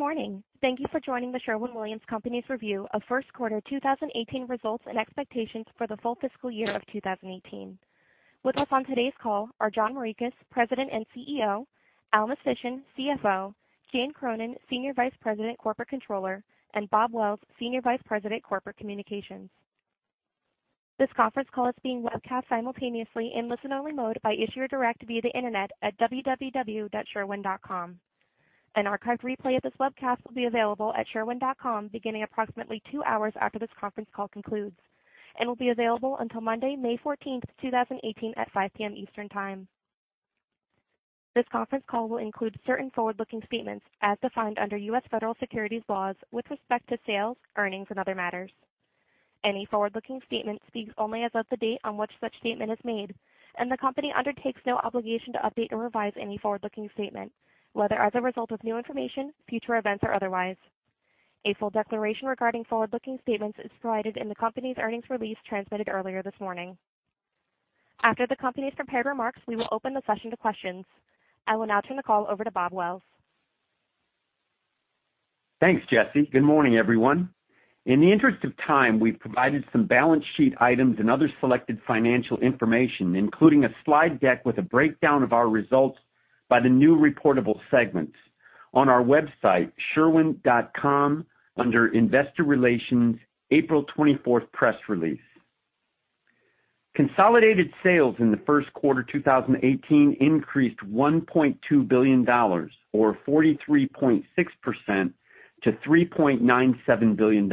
Good morning. Thank you for joining The Sherwin-Williams Company's review of first quarter 2018 results and expectations for the full fiscal year of 2018. With us on today's call are John G. Morikis, President and CEO, Allen Mistysyn, CFO, Jane Cronin, Senior Vice President Corporate Controller, and Bob Wells, Senior Vice President Corporate Communications. This conference call is being webcast simultaneously in listen-only mode by Issuer Direct via the Internet at sherwin.com. An archived replay of this webcast will be available at sherwin.com beginning approximately two hours after this conference call concludes and will be available until Monday, May 14th, 2018, at 5:00 P.M. Eastern Time. This conference call will include certain forward-looking statements as defined under U.S. federal securities laws with respect to sales, earnings, and other matters. Any forward-looking statement speaks only as of the date on which such statement is made, and the company undertakes no obligation to update or revise any forward-looking statement, whether as a result of new information, future events, or otherwise. A full declaration regarding forward-looking statements is provided in the company's earnings release transmitted earlier this morning. After the company's prepared remarks, we will open the session to questions. I will now turn the call over to Bob Wells. Thanks, Jesse. Good morning, everyone. In the interest of time, we've provided some balance sheet items and other selected financial information, including a slide deck with a breakdown of our results by the new reportable segments on our website, sherwin.com, under Investor Relations, April 24th press release. Consolidated sales in the first quarter 2018 increased $1.2 billion, or 43.6%, to $3.97 billion.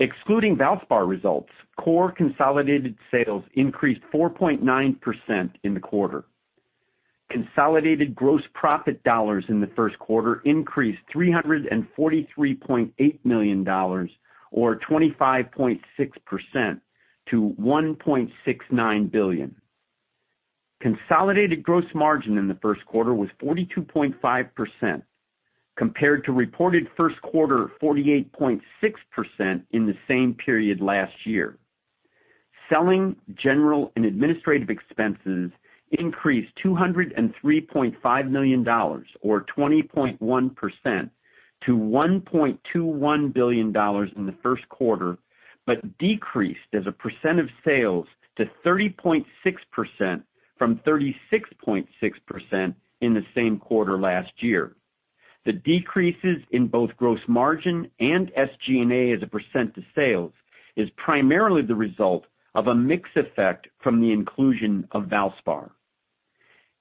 Excluding Valspar results, core consolidated sales increased 4.9% in the quarter. Consolidated gross profit dollars in the first quarter increased $343.8 million or 25.6% to $1.69 billion. Consolidated gross margin in the first quarter was 42.5%, compared to reported first quarter 48.6% in the same period last year. Selling general and administrative expenses increased $203.5 million or 20.1% to $1.21 billion in the first quarter, but decreased as a percent of sales to 30.6% from 36.6% in the same quarter last year. The decreases in both gross margin and SG&A as a percent to sales is primarily the result of a mix effect from the inclusion of Valspar.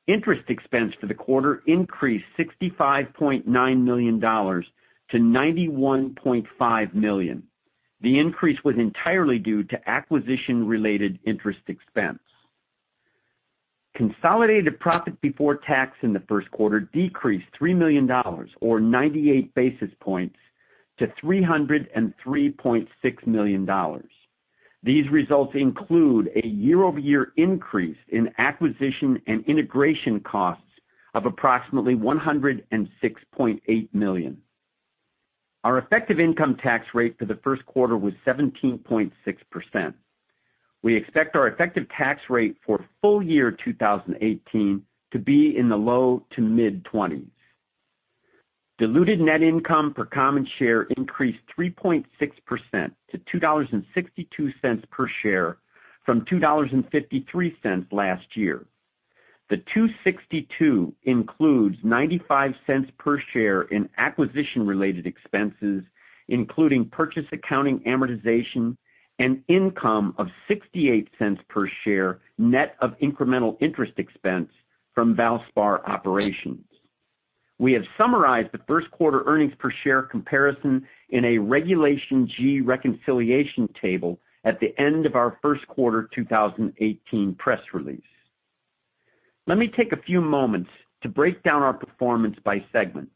Interest expense for the quarter increased $65.9 million to $91.5 million. The increase was entirely due to acquisition-related interest expense. Consolidated profit before tax in the first quarter decreased $3 million, or 98 basis points to $303.6 million. These results include a year-over-year increase in acquisition and integration costs of approximately $106.8 million. Our effective income tax rate for the first quarter was 17.6%. We expect our effective tax rate for full year 2018 to be in the low to mid-'20s. Diluted net income per common share increased 3.6% to $2.62 per share from $2.53 last year. The $2.62 includes $0.95 per share in acquisition-related expenses, including purchase accounting amortization and income of $0.68 per share, net of incremental interest expense from Valspar operations. We have summarized the first quarter earnings per share comparison in a Regulation G reconciliation table at the end of our first quarter 2018 press release. Let me take a few moments to break down our performance by segment.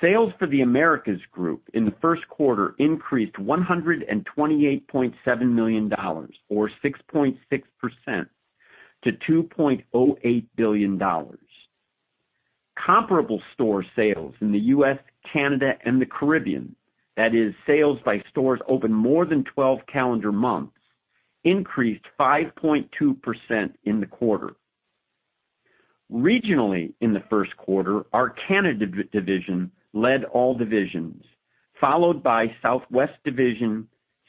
Sales for The Americas Group in the first quarter increased $128.7 million, or 6.6%, to $2.08 billion. Comparable store sales in the U.S., Canada, and the Caribbean, that is sales by stores open more than 12 calendar months, increased 5.2% in the quarter. Regionally in the first quarter, our Canada division led all divisions, followed by Southwest Division,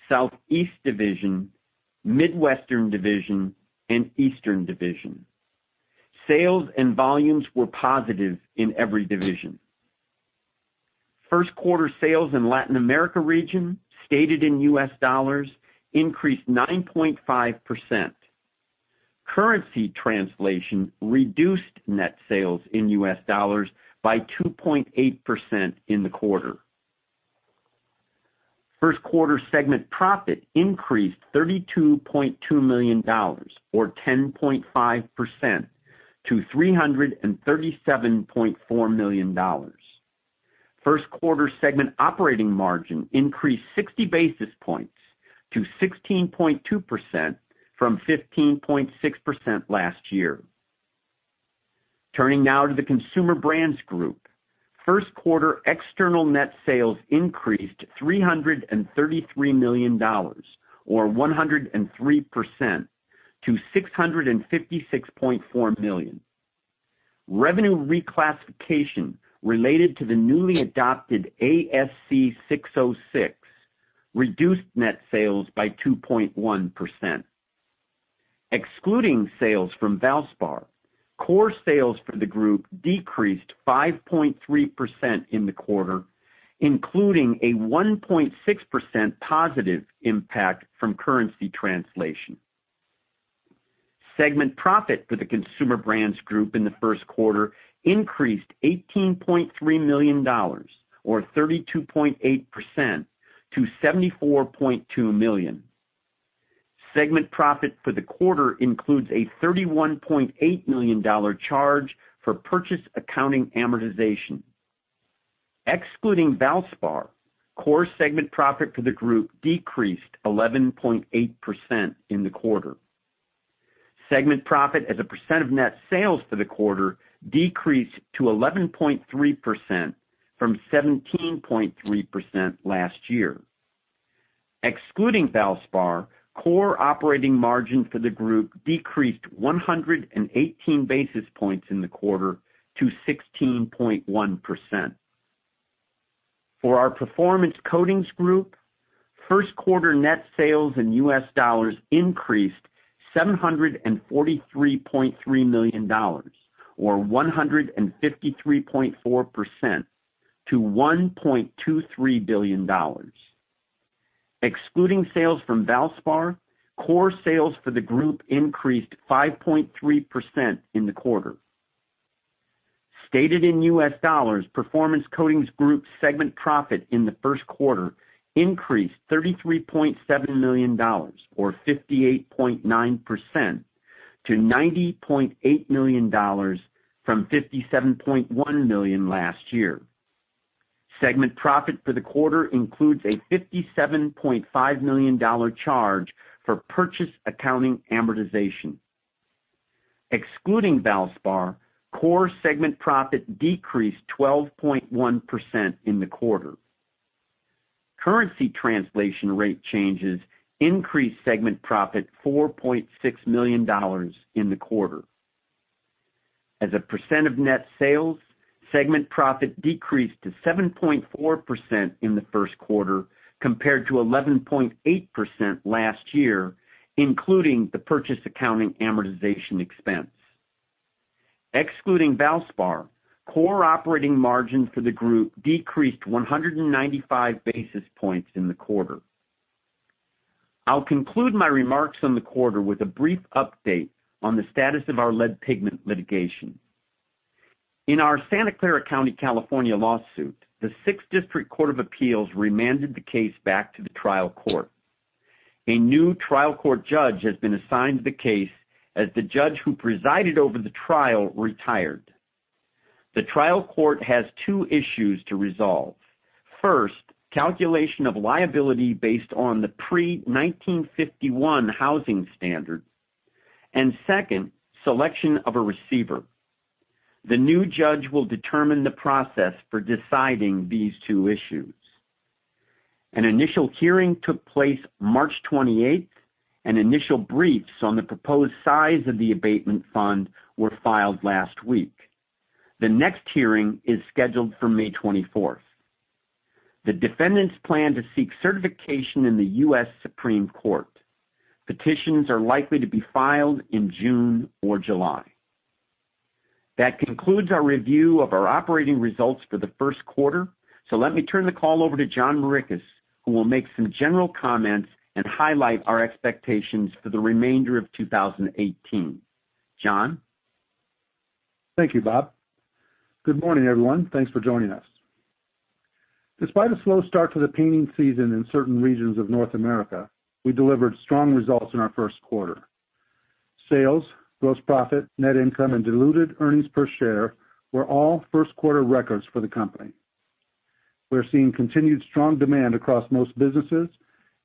Southeast Division, Midwestern Division, and Eastern Division. Sales and volumes were positive in every division. First quarter sales in Latin America region, stated in U.S. dollars, increased 9.5%. Currency translation reduced net sales in U.S. dollars by 2.8% in the quarter. First quarter segment profit increased $32.2 million, or 10.5%, to $337.4 million. First quarter segment operating margin increased 60 basis points to 16.2% from 15.6% last year. Turning now to the Consumer Brands Group. First quarter external net sales increased $333 million, or 103% to $656.4 million. Revenue reclassification related to the newly adopted ASC 606 reduced net sales by 2.1%. Excluding sales from Valspar, core sales for the group decreased 5.3% in the quarter, including a 1.6% positive impact from currency translation. Segment profit for the Consumer Brands Group in the first quarter increased $18.3 million or 32.8% to $74.2 million. Segment profit for the quarter includes a $31.8 million charge for purchase accounting amortization. Excluding Valspar, core segment profit for the group decreased 11.8% in the quarter. Segment profit as a percent of net sales for the quarter decreased to 11.3% from 17.3% last year. Excluding Valspar, core operating margin for the group decreased 118 basis points in the quarter to 16.1%. For our Performance Coatings Group, first quarter net sales in U.S. dollars increased $743.3 million or 153.4% to $1.23 billion. Excluding sales from Valspar, core sales for the group increased 5.3% in the quarter. Stated in U.S. dollars, Performance Coatings Group segment profit in the first quarter increased $33.7 million or 58.9% to $90.8 million from $57.1 million last year. Segment profit for the quarter includes a $57.5 million charge for purchase accounting amortization. Excluding Valspar, core segment profit decreased 12.1% in the quarter. Currency translation rate changes increased segment profit $4.6 million in the quarter. As a percent of net sales, segment profit decreased to 7.4% in the first quarter compared to 11.8% last year, including the purchase accounting amortization expense. Excluding Valspar, core operating margin for the group decreased 195 basis points in the quarter. I'll conclude my remarks on the quarter with a brief update on the status of our lead pigment litigation. In our Santa Clara County California lawsuit, the Sixth District Court of Appeal remanded the case back to the trial court. A new trial court judge has been assigned the case as the judge who presided over the trial retired. The trial court has two issues to resolve. First, calculation of liability based on the pre-1951 housing standard, and second, selection of a receiver. The new judge will determine the process for deciding these two issues. An initial hearing took place March 28th, and initial briefs on the proposed size of the abatement fund were filed last week. The next hearing is scheduled for May 24th. The defendants plan to seek certification in the U.S. Supreme Court. Petitions are likely to be filed in June or July. That concludes our review of our operating results for the first quarter. Let me turn the call over to John Morikis who will make some general comments and highlight our expectations for the remainder of 2018. John? Thank you, Bob. Good morning, everyone. Thanks for joining us. Despite a slow start to the painting season in certain regions of North America, we delivered strong results in our first quarter. Sales, gross profit, net income and diluted earnings per share were all first quarter records for the company. We're seeing continued strong demand across most businesses,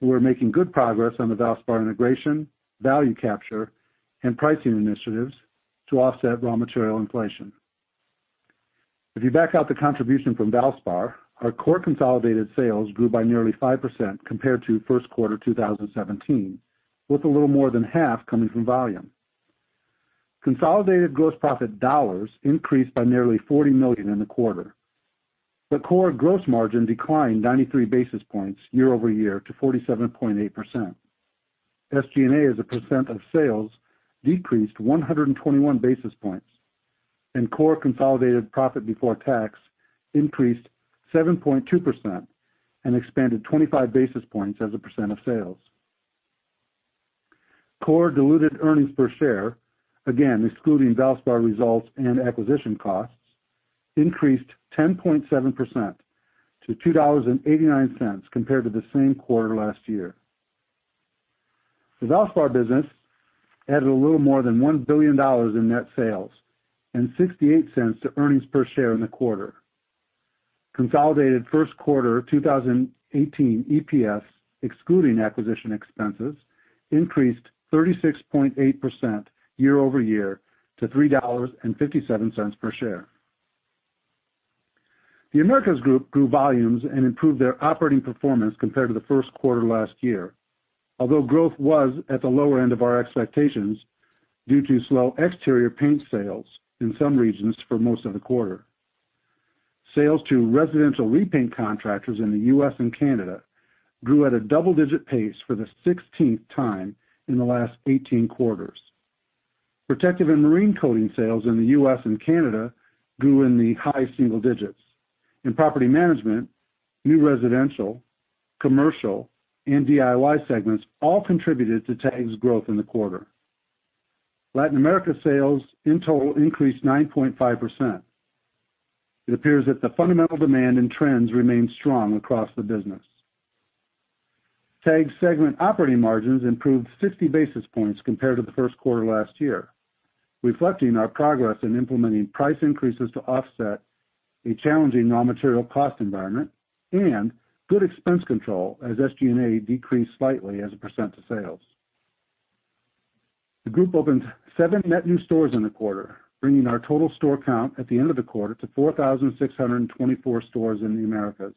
and we're making good progress on the Valspar integration, value capture, and pricing initiatives to offset raw material inflation. If you back out the contribution from Valspar, our core consolidated sales grew by nearly 5% compared to first quarter 2017, with a little more than half coming from volume. Consolidated gross profit dollars increased by nearly $40 million in the quarter, but core gross margin declined 93 basis points year-over-year to 47.8%. SG&A as a % of sales decreased 121 basis points. Core consolidated profit before tax increased 7.2% and expanded 25 basis points as a % of sales. Core diluted earnings per share, again, excluding Valspar results and acquisition costs, increased 10.7% to $2.89 compared to the same quarter last year. The Valspar business added a little more than $1 billion in net sales and $0.68 to earnings per share in the quarter. Consolidated first quarter 2018 EPS, excluding acquisition expenses, increased 36.8% year-over-year to $3.57 per share. The Americas Group grew volumes and improved their operating performance compared to the first quarter last year. Although growth was at the lower end of our expectations due to slow exterior paint sales in some regions for most of the quarter. Sales to residential repaint contractors in the U.S. and Canada grew at a double-digit pace for the 16th time in the last 18 quarters. Protective and marine coating sales in the U.S. and Canada grew in the high single digits. In property management, new residential, commercial, and DIY segments all contributed to TAG's growth in the quarter. Latin America sales in total increased 9.5%. It appears that the fundamental demand and trends remain strong across the business. TAG segment operating margins improved 50 basis points compared to the first quarter last year, reflecting our progress in implementing price increases to offset a challenging raw material cost environment and good expense control as SG&A decreased slightly as a % to sales. The group opened seven net new stores in the quarter, bringing our total store count at the end of the quarter to 4,624 stores in the Americas.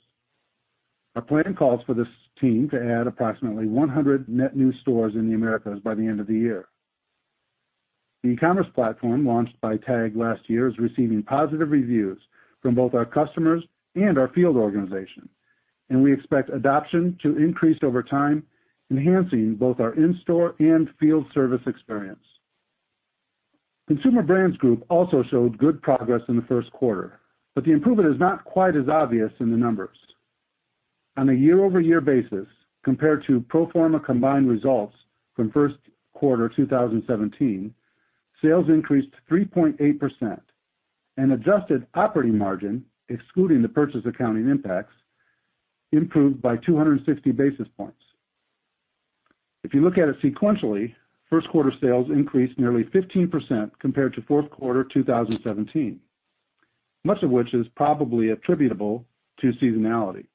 Our plan calls for this team to add approximately 100 net new stores in the Americas by the end of the year. The e-commerce platform launched by TAG last year is receiving positive reviews from both our customers and our field organization, and we expect adoption to increase over time, enhancing both our in-store and field service experience. Consumer Brands Group also showed good progress in the first quarter, but the improvement is not quite as obvious in the numbers. On a year-over-year basis compared to pro forma combined results from first quarter 2017, sales increased 3.8% and adjusted operating margin, excluding the purchase accounting impacts, improved by 260 basis points. If you look at it sequentially, first quarter sales increased nearly 15% compared to fourth quarter 2017, much of which is probably attributable to seasonality.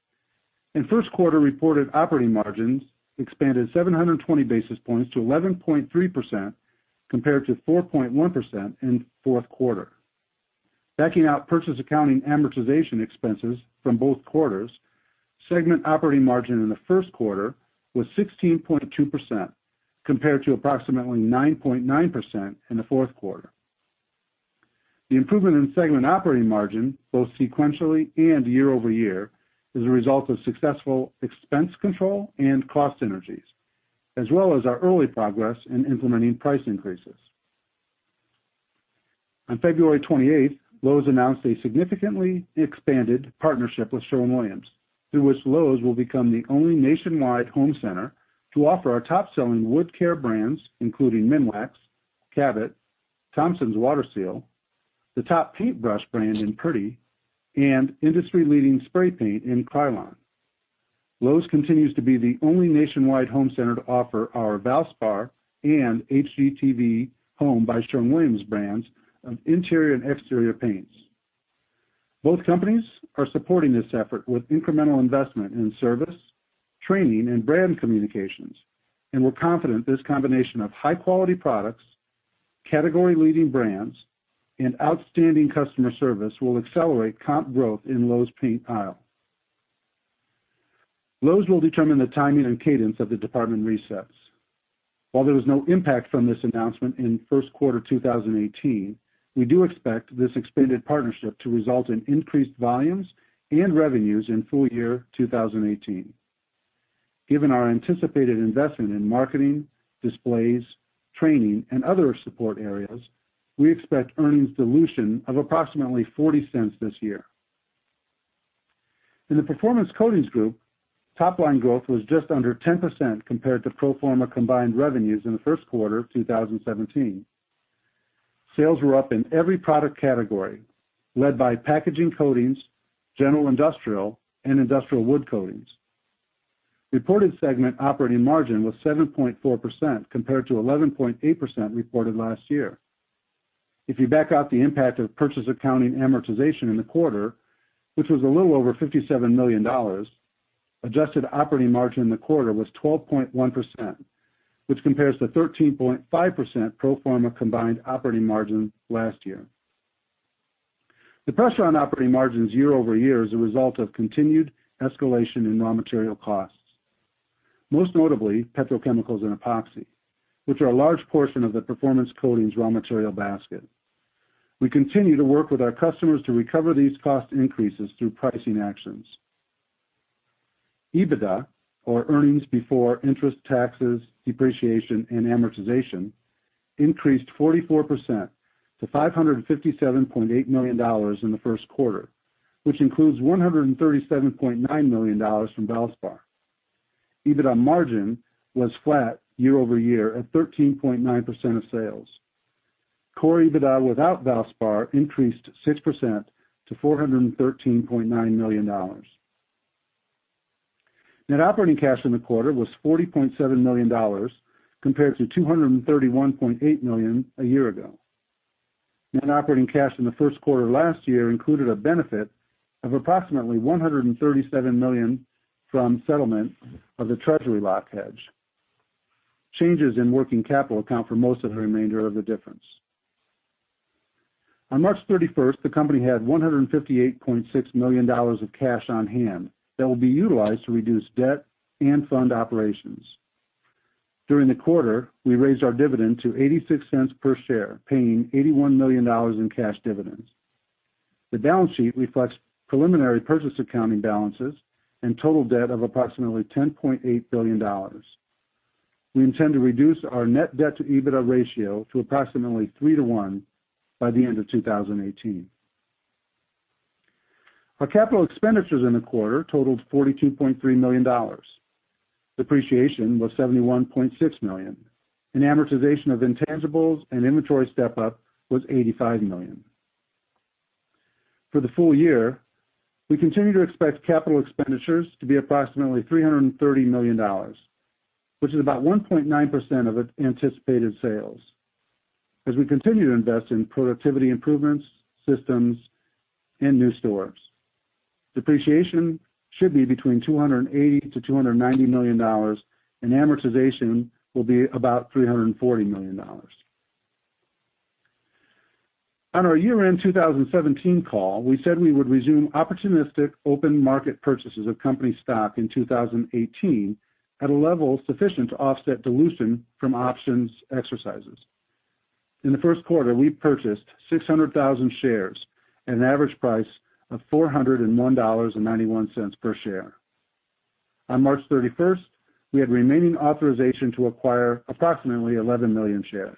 In first quarter reported operating margins expanded 720 basis points to 11.3% compared to 4.1% in fourth quarter. Backing out purchase accounting amortization expenses from both quarters, segment operating margin in the first quarter was 16.2% compared to approximately 9.9% in the fourth quarter. The improvement in segment operating margin, both sequentially and year-over-year, is a result of successful expense control and cost synergies, as well as our early progress in implementing price increases. On February 28th, Lowe's announced a significantly expanded partnership with Sherwin-Williams, through which Lowe's will become the only nationwide home center to offer our top-selling wood care brands, including Minwax, Cabot, Thompson's WaterSeal, the top paintbrush brand in Purdy, and industry-leading spray paint in Krylon. Lowe's continues to be the only nationwide home center to offer our Valspar and HGTV Home by Sherwin-Williams brands of interior and exterior paints. Both companies are supporting this effort with incremental investment in service, training, and brand communications, we're confident this combination of high-quality products, category-leading brands, and outstanding customer service will accelerate comp growth in Lowe's paint aisle. Lowe's will determine the timing and cadence of the department resets. While there was no impact from this announcement in first quarter 2018, we do expect this expanded partnership to result in increased volumes and revenues in full year 2018. Given our anticipated investment in marketing, displays, training, and other support areas, we expect earnings dilution of approximately $0.40 this year. In the Performance Coatings Group, top line growth was just under 10% compared to pro forma combined revenues in the first quarter of 2017. Sales were up in every product category, led by packaging coatings, general industrial, and industrial wood coatings. Reported segment operating margin was 7.4% compared to 11.8% reported last year. If you back out the impact of purchase accounting amortization in the quarter, which was a little over $57 million, adjusted operating margin in the quarter was 12.1%, which compares to 13.5% pro forma combined operating margin last year. The pressure on operating margins year-over-year is a result of continued escalation in raw material costs. Most notably, petrochemicals and epoxy, which are a large portion of the Performance Coatings raw material basket. We continue to work with our customers to recover these cost increases through pricing actions. EBITDA, or earnings before interest, taxes, depreciation, and amortization, increased 44% to $557.8 million in the first quarter, which includes $137.9 million from Valspar. EBITDA margin was flat year-over-year at 13.9% of sales. Core EBITDA without Valspar increased 6% to $413.9 million. Net operating cash in the quarter was $40.7 million compared to $231.8 million a year ago. Net operating cash in the first quarter last year included a benefit of approximately $137 million from settlement of the treasury lock hedge. Changes in working capital account for most of the remainder of the difference. On March 31st, the company had $158.6 million of cash on hand that will be utilized to reduce debt and fund operations. During the quarter, we raised our dividend to $0.86 per share, paying $81 million in cash dividends. The balance sheet reflects preliminary purchase accounting balances and total debt of approximately $10.8 billion. We intend to reduce our net debt-to-EBITDA ratio to approximately 3 to 1 by the end of 2018. Our capital expenditures in the quarter totaled $42.3 million. Depreciation was $71.6 million. An amortization of intangibles and inventory step-up was $85 million. For the full year, we continue to expect capital expenditures to be approximately $330 million, which is about 1.9% of anticipated sales. As we continue to invest in productivity improvements, systems, and new stores. Depreciation should be between $280 million to $290 million, and amortization will be about $340 million. On our year-end 2017 call, we said we would resume opportunistic open market purchases of company stock in 2018 at a level sufficient to offset dilution from options exercises. In the first quarter, we purchased 600,000 shares at an average price of $401.91 per share. On March 31st, we had remaining authorization to acquire approximately 11 million shares.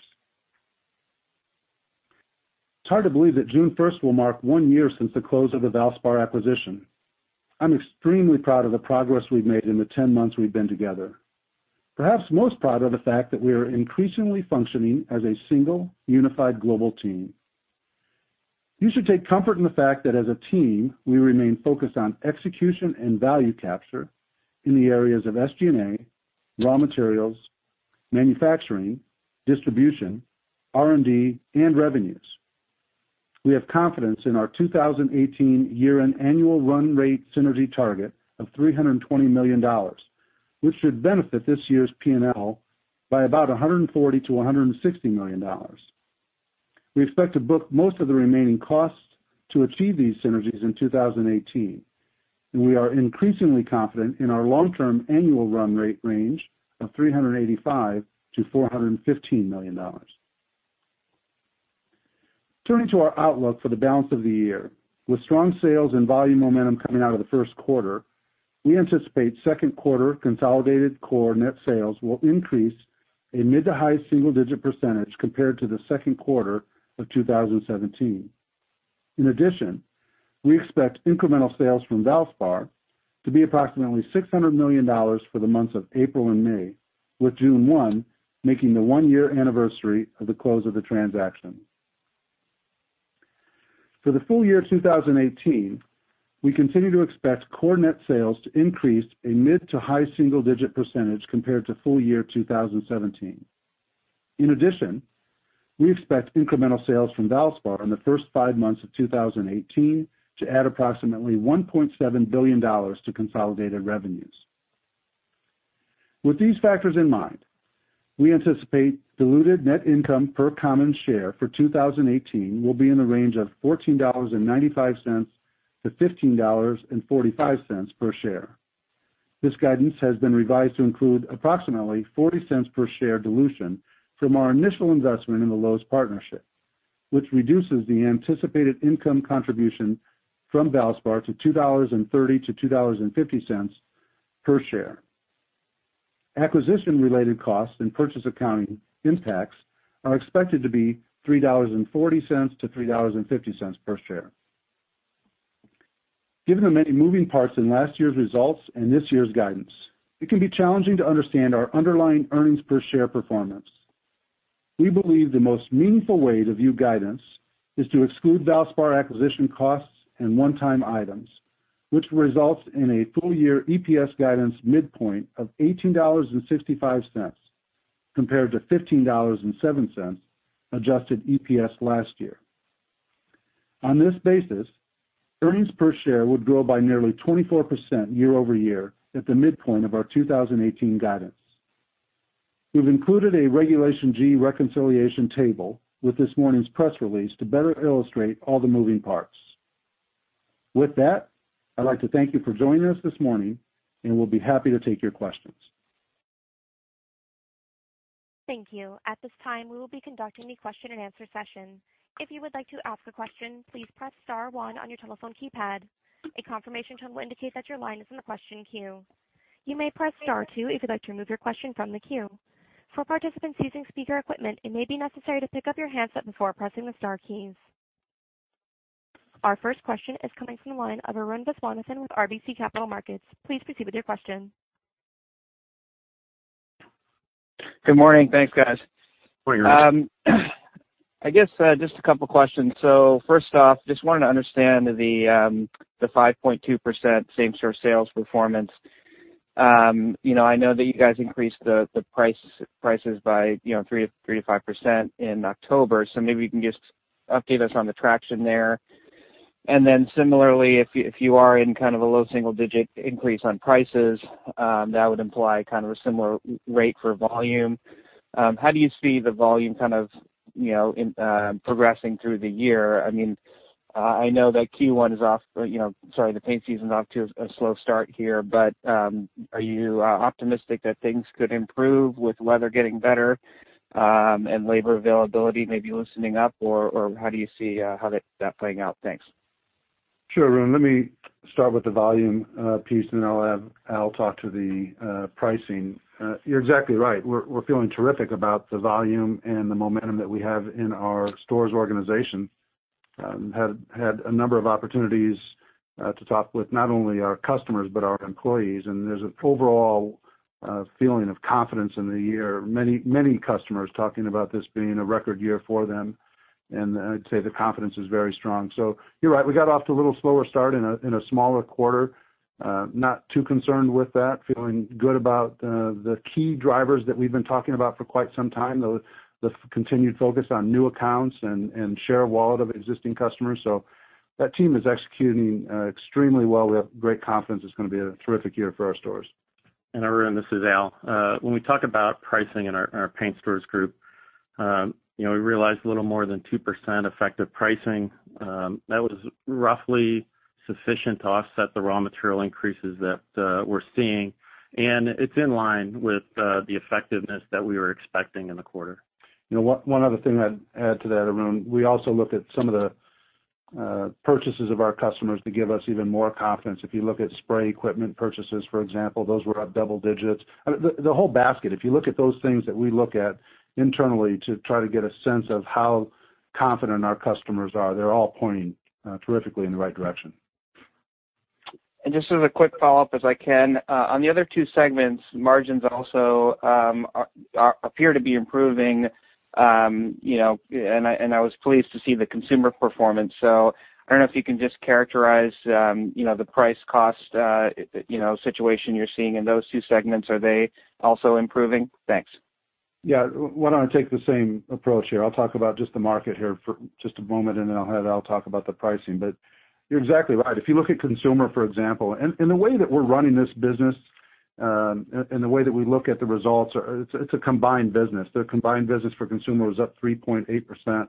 It's hard to believe that June 1st will mark one year since the close of the Valspar acquisition. I'm extremely proud of the progress we've made in the 10 months we've been together. Perhaps most proud of the fact that we are increasingly functioning as a single, unified global team. You should take comfort in the fact that as a team, we remain focused on execution and value capture in the areas of SG&A, raw materials, manufacturing, distribution, R&D, and revenues. We have confidence in our 2018 year-end annual run rate synergy target of $320 million, which should benefit this year's P&L by about $140 million to $160 million. We expect to book most of the remaining costs to achieve these synergies in 2018, and we are increasingly confident in our long-term annual run rate range of $385 million to $415 million. Turning to our outlook for the balance of the year. With strong sales and volume momentum coming out of the first quarter, we anticipate second quarter consolidated core net sales will increase a mid to high single-digit percentage compared to the second quarter of 2017. In addition, we expect incremental sales from Valspar to be approximately $600 million for the months of April and May, with June 1 making the one year anniversary of the close of the transaction. For the full year 2018, we continue to expect core net sales to increase a mid to high single-digit percentage compared to full year 2017. In addition, we expect incremental sales from Valspar in the first five months of 2018 to add approximately $1.7 billion to consolidated revenues. With these factors in mind, we anticipate diluted net income per common share for 2018 will be in the range of $14.95 to $15.45 per share. This guidance has been revised to include approximately $0.40 per share dilution from our initial investment in the Lowe's partnership, which reduces the anticipated income contribution from Valspar to $2.30-$2.50 per share. Acquisition-related costs and purchase accounting impacts are expected to be $3.40-$3.50 per share. Given the many moving parts in last year's results and this year's guidance, it can be challenging to understand our underlying earnings per share performance. We believe the most meaningful way to view guidance is to exclude Valspar acquisition costs and one-time items, which results in a full-year EPS guidance midpoint of $18.65 compared to $15.07 adjusted EPS last year. On this basis, earnings per share would grow by nearly 24% year-over-year at the midpoint of our 2018 guidance. We've included a Regulation G reconciliation table with this morning's press release to better illustrate all the moving parts. With that, I'd like to thank you for joining us this morning. We'll be happy to take your questions. Thank you. At this time, we will be conducting the question and answer session. If you would like to ask a question, please press star one on your telephone keypad. A confirmation tone will indicate that your line is in the question queue. You may press star two if you'd like to remove your question from the queue. For participants using speaker equipment, it may be necessary to pick up your handset before pressing the star keys. Our first question is coming from the line of Arun Viswanathan with RBC Capital Markets. Please proceed with your question. Good morning. Thanks, guys. Good morning. I guess, just a couple of questions. First off, just wanted to understand the 5.2% same-store sales performance. I know that you guys increased the prices by 3%-5% in October, maybe you can just update us on the traction there. Similarly, if you are in kind of a low single-digit increase on prices, that would imply kind of a similar rate for volume. How do you see the volume kind of progressing through the year? I know that the paint season is off to a slow start here, are you optimistic that things could improve with weather getting better and labor availability maybe loosening up? How do you see that playing out? Thanks. Sure, Arun. Let me start with the volume piece, then I'll have Al talk to the pricing. You're exactly right. We're feeling terrific about the volume and the momentum that we have in our stores organization. Had a number of opportunities to talk with not only our customers but our employees, and there's an overall feeling of confidence in the year. Many customers talking about this being a record year for them, and I'd say the confidence is very strong. You're right, we got off to a little slower start in a smaller quarter. Not too concerned with that. Feeling good about the key drivers that we've been talking about for quite some time, the continued focus on new accounts and share wallet of existing customers. That team is executing extremely well. We have great confidence it's going to be a terrific year for our stores. Arun, this is Al. When we talk about pricing in our paint stores group, we realized a little more than 2% effective pricing. That was roughly sufficient to offset the raw material increases that we're seeing, and it's in line with the effectiveness that we were expecting in the quarter. One other thing I'd add to that, Arun, we also looked at some of the purchases of our customers to give us even more confidence. If you look at spray equipment purchases, for example, those were up double digits. The whole basket, if you look at those things that we look at internally to try to get a sense of how confident our customers are, they're all pointing terrifically in the right direction. Just as a quick follow-up as I can. On the other two segments, margins also appear to be improving, and I was pleased to see the consumer performance. I don't know if you can just characterize the price cost situation you're seeing in those two segments. Are they also improving? Thanks. Why don't I take the same approach here? I'll talk about just the market here for just a moment, then I'll have Al talk about the pricing. You're exactly right. If you look at consumer, for example, and the way that we're running this business and the way that we look at the results, it's a combined business. Their combined business for consumer was up 3.8%.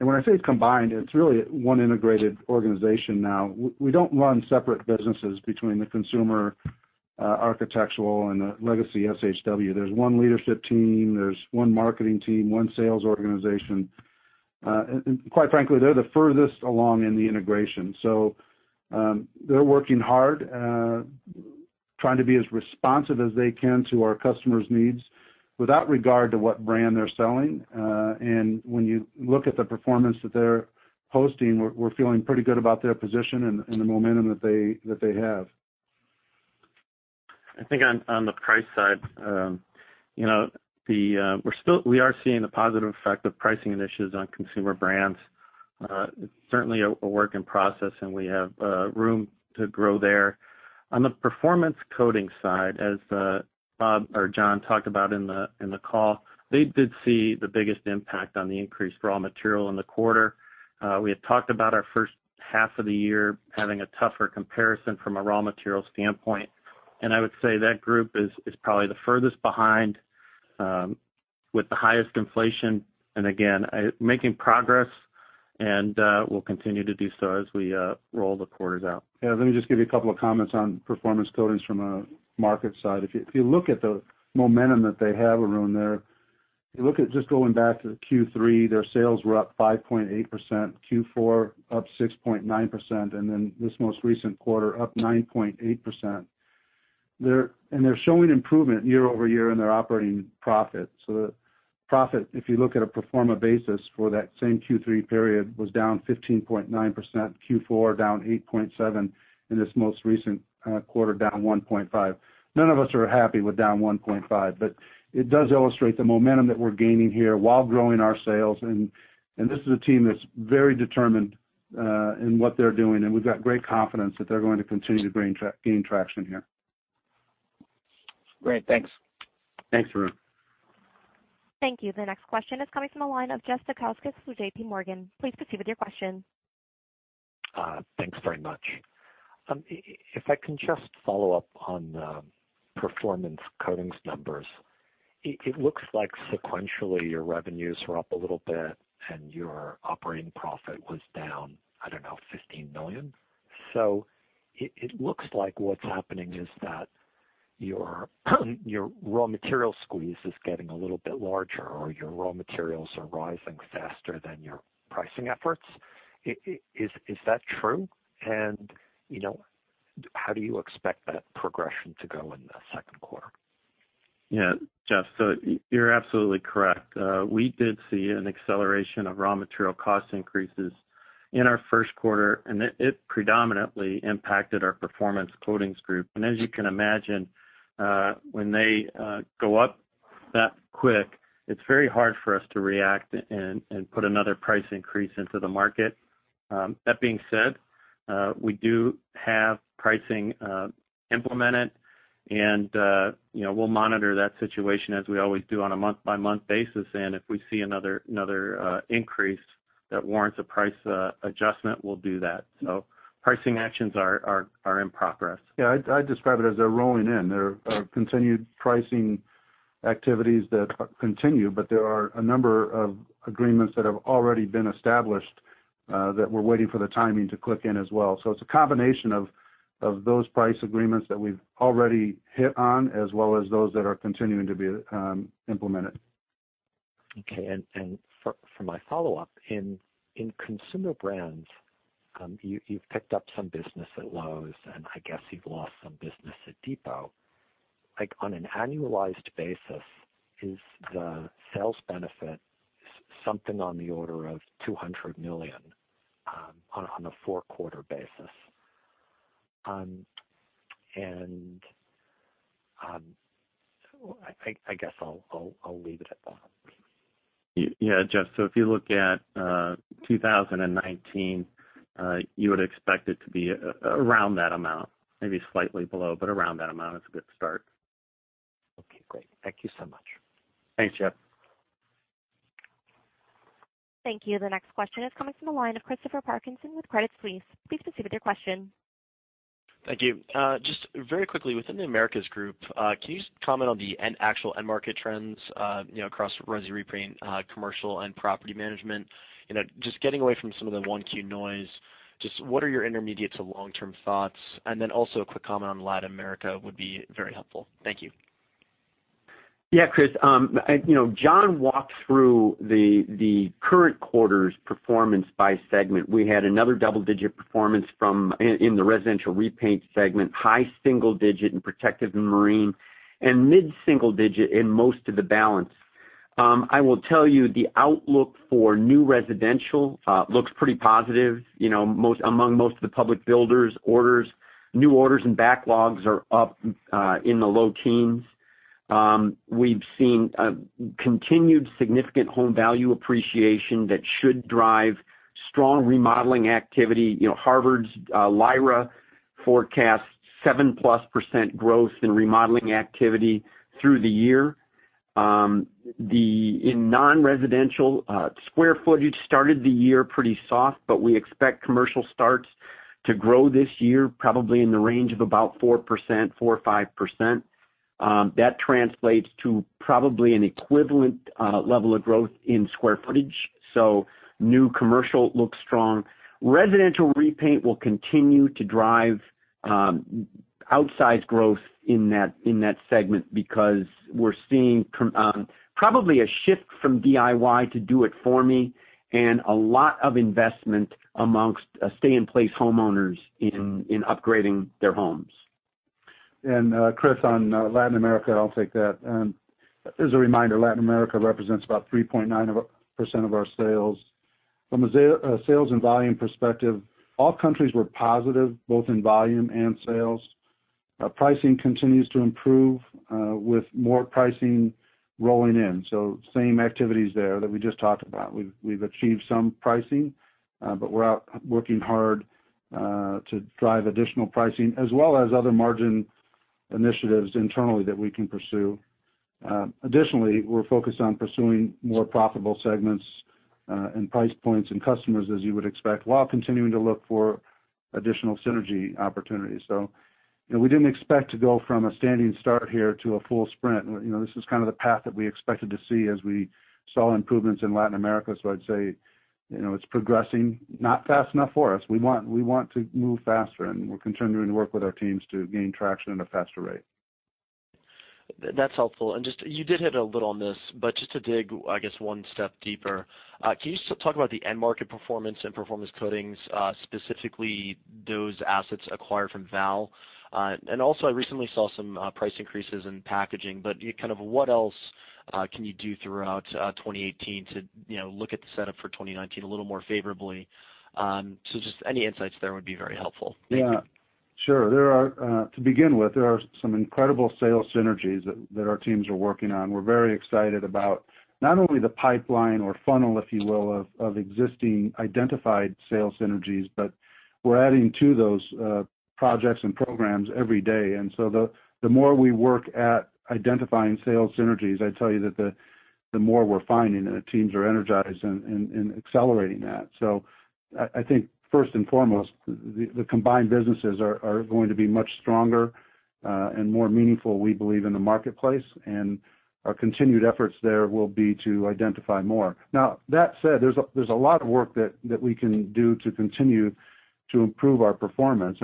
When I say it's combined, it's really one integrated organization now. We don't run separate businesses between the consumer architectural and the legacy SHW. There's one leadership team, there's one marketing team, one sales organization. Quite frankly, they're the furthest along in the integration. They're working hard, trying to be as responsive as they can to our customers' needs without regard to what brand they're selling. When you look at the performance that they're posting, we're feeling pretty good about their position and the momentum that they have. I think on the price side, we are seeing a positive effect of pricing initiatives on Consumer Brands. It's certainly a work in process, and we have room to grow there. On the Performance Coatings side, as Bob or John talked about in the call, they did see the biggest impact on the increase for raw material in the quarter. We had talked about our first half of the year having a tougher comparison from a raw material standpoint. I would say that group is probably the furthest behind with the highest inflation. Again, making progress and will continue to do so as we roll the quarters out. Yeah, let me just give you a couple of comments on Performance Coatings from a market side. If you look at the momentum that they have, Arun, there. If you look at just going back to Q3, their sales were up 5.8%, Q4 up 6.9%, then this most recent quarter up 9.8%. They're showing improvement year-over-year in their operating profit. The profit, if you look at a pro forma basis for that same Q3 period, was down 15.9%, Q4 down 8.7%, and this most recent quarter, down 1.5%. None of us are happy with down 1.5%, but it does illustrate the momentum that we're gaining here while growing our sales. This is a team that's very determined in what they're doing, and we've got great confidence that they're going to continue to gain traction here. Great. Thanks. Thanks, Arun. Thank you. The next question is coming from the line of Jeffrey Zekauskas with JPMorgan. Please proceed with your question. Thanks very much. If I can just follow up on the Performance Coatings Group numbers. It looks like sequentially, your revenues were up a little bit and your operating profit was down, I don't know, $15 million? It looks like what's happening is that your raw material squeeze is getting a little bit larger, or your raw materials are rising faster than your pricing efforts. Is that true? How do you expect that progression to go in the second quarter? Yeah. Jeff, you're absolutely correct. We did see an acceleration of raw material cost increases in our first quarter, and it predominantly impacted our Performance Coatings Group. As you can imagine, when they go up that quick, it's very hard for us to react and put another price increase into the market. That being said, we do have pricing implemented We'll monitor that situation as we always do on a month-by-month basis, and if we see another increase that warrants a price adjustment, we'll do that. Pricing actions are in progress. Yeah, I'd describe it as they're rolling in. There are continued pricing activities that continue, but there are a number of agreements that have already been established that we're waiting for the timing to kick in as well. It's a combination of those price agreements that we've already hit on, as well as those that are continuing to be implemented. Okay. For my follow-up, in Consumer Brands, you've picked up some business at Lowe's, and I guess you've lost some business at Depot. On an annualized basis, is the sales benefit something on the order of $200 million on a four-quarter basis? I guess I'll leave it at that. Yeah, Jeff, if you look at 2019, you would expect it to be around that amount, maybe slightly below, but around that amount is a good start. Okay, great. Thank you so much. Thanks, Jeff. Thank you. The next question is coming from the line of Christopher Parkinson with Credit Suisse. Please proceed with your question. Thank you. Just very quickly, within The Americas Group, can you just comment on the actual end market trends across residential repaint, commercial, and property management? Just getting away from some of the 1Q noise, just what are your intermediate to long-term thoughts? Also a quick comment on Latin America would be very helpful. Thank you. Yeah, Chris. John walked through the current quarter's performance by segment. We had another double-digit performance in the residential repaint segment, high single digit in protective and marine, and mid-single digit in most of the balance. I will tell you, the outlook for new residential looks pretty positive. Among most of the public builders, new orders and backlogs are up in the low teens. We've seen continued significant home value appreciation that should drive strong remodeling activity. Harvard's LIRA forecasts 7-plus% growth in remodeling activity through the year. In non-residential, square footage started the year pretty soft, but we expect commercial starts to grow this year, probably in the range of about 4%, 4% or 5%. That translates to probably an equivalent level of growth in square footage. New commercial looks strong. Residential repaint will continue to drive outsized growth in that segment because we're seeing probably a shift from DIY to do it for me, and a lot of investment amongst stay-in-place homeowners in upgrading their homes. Chris, on Latin America, I'll take that. As a reminder, Latin America represents about 3.9% of our sales. From a sales and volume perspective, all countries were positive, both in volume and sales. Pricing continues to improve with more pricing rolling in. Same activities there that we just talked about. We've achieved some pricing, but we're out working hard to drive additional pricing as well as other margin initiatives internally that we can pursue. Additionally, we're focused on pursuing more profitable segments, and price points, and customers, as you would expect, while continuing to look for additional synergy opportunities. We didn't expect to go from a standing start here to a full sprint. This is kind of the path that we expected to see as we saw improvements in Latin America. I'd say it's progressing, not fast enough for us. We want to move faster, we're continuing to work with our teams to gain traction at a faster rate. That's helpful. You did hit a little on this, but just to dig, I guess, one step deeper, can you just talk about the end market performance and performance coatings, specifically those assets acquired from Valspar? Also, I recently saw some price increases in packaging, but what else can you do throughout 2018 to look at the setup for 2019 a little more favorably? Just any insights there would be very helpful. Thank you. Yeah. Sure. To begin with, there are some incredible sales synergies that our teams are working on. We're very excited about not only the pipeline or funnel, if you will, of existing identified sales synergies, but we're adding to those projects and programs every day. The more we work at identifying sales synergies, I tell you that the more we're finding, and the teams are energized and accelerating that. I think first and foremost, the combined businesses are going to be much stronger and more meaningful, we believe, in the marketplace, and our continued efforts there will be to identify more. Now, that said, there's a lot of work that we can do to continue to improve our performance.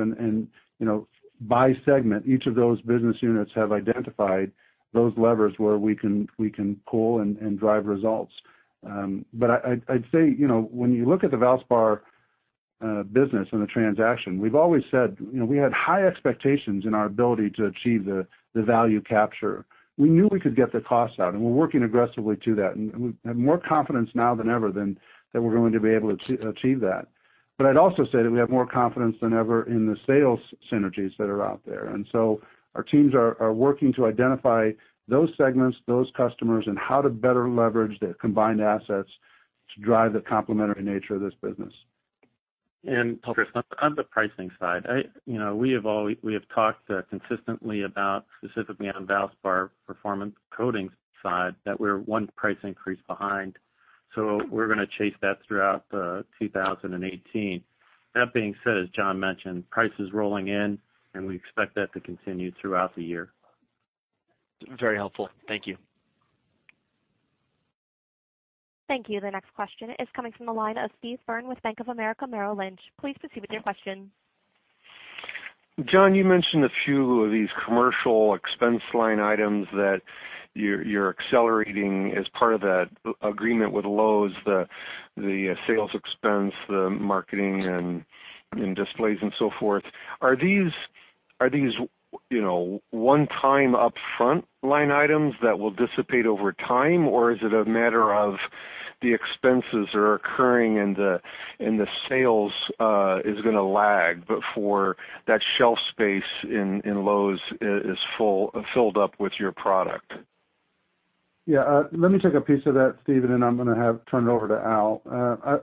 By segment, each of those business units have identified those levers where we can pull and drive results. I'd say, when you look at the Valspar business and the transaction, we've always said we had high expectations in our ability to achieve the value capture. We knew we could get the cost out, and we're working aggressively to that, and we have more confidence now than ever that we're going to be able to achieve that. I'd also say that we have more confidence than ever in the sales synergies that are out there. Our teams are working to identify those segments, those customers, and how to better leverage the combined assets to drive the complementary nature of this business. Chris, on the pricing side, we have talked consistently about specifically on Valspar performance coatings side that we're one price increase behind. We're going to chase that throughout 2018. That being said, as John mentioned, price is rolling in, and we expect that to continue throughout the year. Very helpful. Thank you. Thank you. The next question is coming from the line of Steve Byrne with Bank of America Merrill Lynch. Please proceed with your question. John, you mentioned a few of these commercial expense line items that you're accelerating as part of that agreement with Lowe's, the sales expense, the marketing and displays and so forth. Are these one-time upfront line items that will dissipate over time? Or is it a matter of the expenses are occurring and the sales is going to lag before that shelf space in Lowe's is filled up with your product? Yeah. Let me take a piece of that, Steve, and I'm going to have turn it over to Al.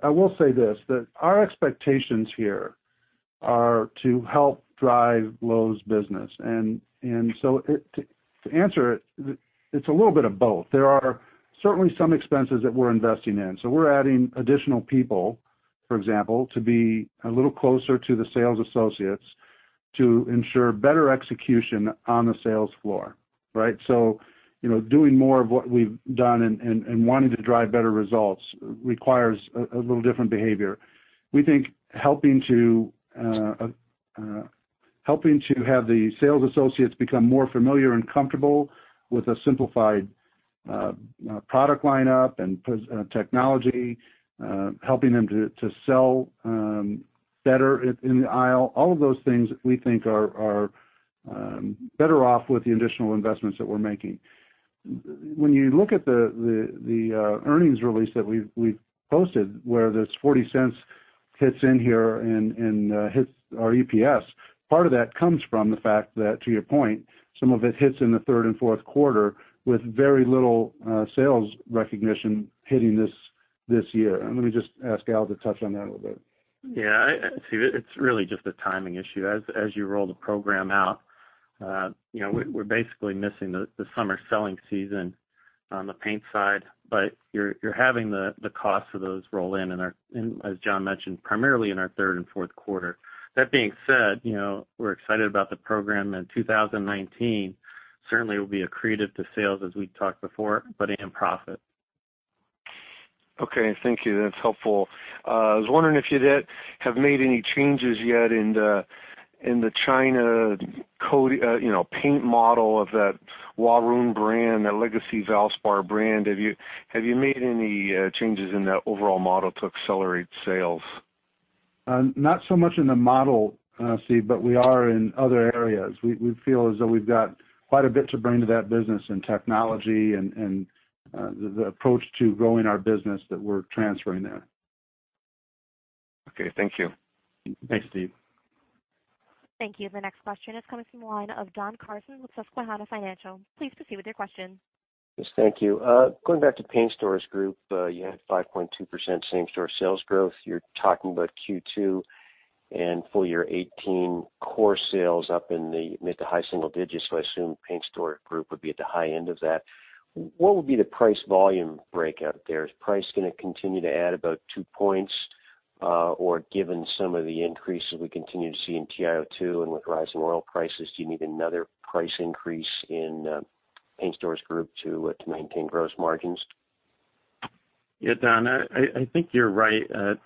I will say this, that our expectations here are to help drive Lowe's business. To answer it's a little bit of both. There are certainly some expenses that we're investing in. We're adding additional people, for example, to be a little closer to the sales associates to ensure better execution on the sales floor, right? Doing more of what we've done and wanting to drive better results requires a little different behavior. We think helping to have the sales associates become more familiar and comfortable with a simplified product lineup and technology, helping them to sell better in the aisle, all of those things we think are better off with the additional investments that we're making. You look at the earnings release that we've posted, where this $0.40 hits in here and hits our EPS, part of that comes from the fact that, to your point, some of it hits in the third and fourth quarter with very little sales recognition hitting this year. Let me just ask Al to touch on that a little bit. Yeah. Steve, it's really just a timing issue. As you roll the program out, we're basically missing the summer selling season on the paint side. You're having the cost of those roll in, as John mentioned, primarily in our third and fourth quarter. That being said, we're excited about the program in 2019. Certainly will be accretive to sales as we talked before, but in profit. Okay. Thank you. That's helpful. I was wondering if you have made any changes yet in the China paint model of that Huarun brand, that legacy Valspar brand. Have you made any changes in that overall model to accelerate sales? Not so much in the model, Steve, but we are in other areas. We feel as though we've got quite a bit to bring to that business in technology and the approach to growing our business that we're transferring there. Okay. Thank you. Thanks, Steve. Thank you. The next question is coming from the line of Don Carson with Susquehanna Financial. Please proceed with your question. Yes. Thank you. Going back to Paint Stores Group, you had 5.2% same-store sales growth. You're talking about Q2 and full year 2018 core sales up in the mid to high single digits. I assume Paint Store Group would be at the high end of that. What would be the price volume breakout there? Is price going to continue to add about two points? Or given some of the increases we continue to see in TiO2 and with rising oil prices, do you need another price increase in Paint Stores Group to maintain gross margins? Yeah, Don, I think you're right.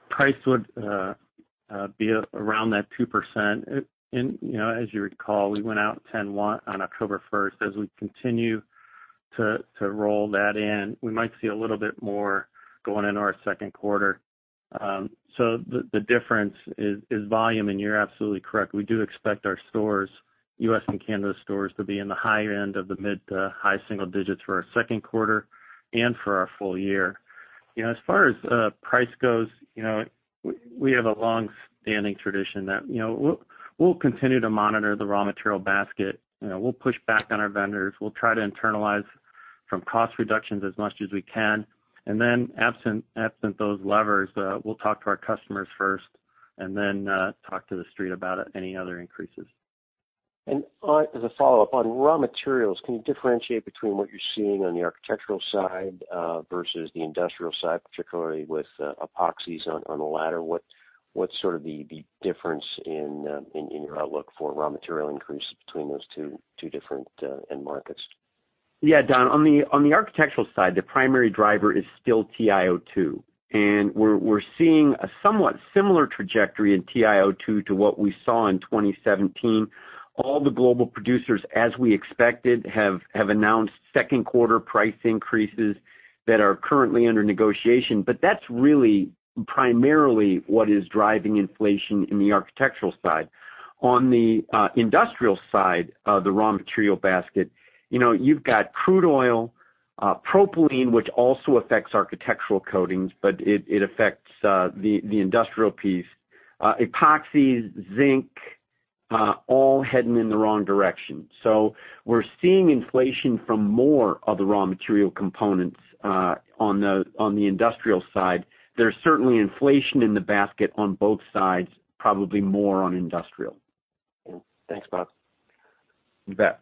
Price would be around that 2%. As you recall, we went out 10-1 on October 1st. As we continue to roll that in, we might see a little bit more going into our second quarter. The difference is volume, and you're absolutely correct. We do expect our stores, U.S. and Canada stores, to be in the higher end of the mid to high single digits for our second quarter and for our full year. As far as price goes, we have a long-standing tradition that we'll continue to monitor the raw material basket. We'll push back on our vendors. We'll try to internalize from cost reductions as much as we can. Then absent those levers, we'll talk to our customers first, and then talk to the street about any other increases. As a follow-up, on raw materials, can you differentiate between what you're seeing on the architectural side versus the industrial side, particularly with epoxies on the latter? What's sort of the difference in your outlook for raw material increases between those two different end markets? Yeah, Don, on the architectural side, the primary driver is still TiO2. We're seeing a somewhat similar trajectory in TiO2 to what we saw in 2017. All the global producers, as we expected, have announced second quarter price increases that are currently under negotiation. That's really primarily what is driving inflation in the architectural side. On the industrial side, the raw material basket, you've got crude oil, propylene, which also affects architectural coatings, but it affects the industrial piece. Epoxies, zinc. All heading in the wrong direction. We're seeing inflation from more of the raw material components on the industrial side. There's certainly inflation in the basket on both sides, probably more on industrial. Yeah. Thanks, Bob. You bet.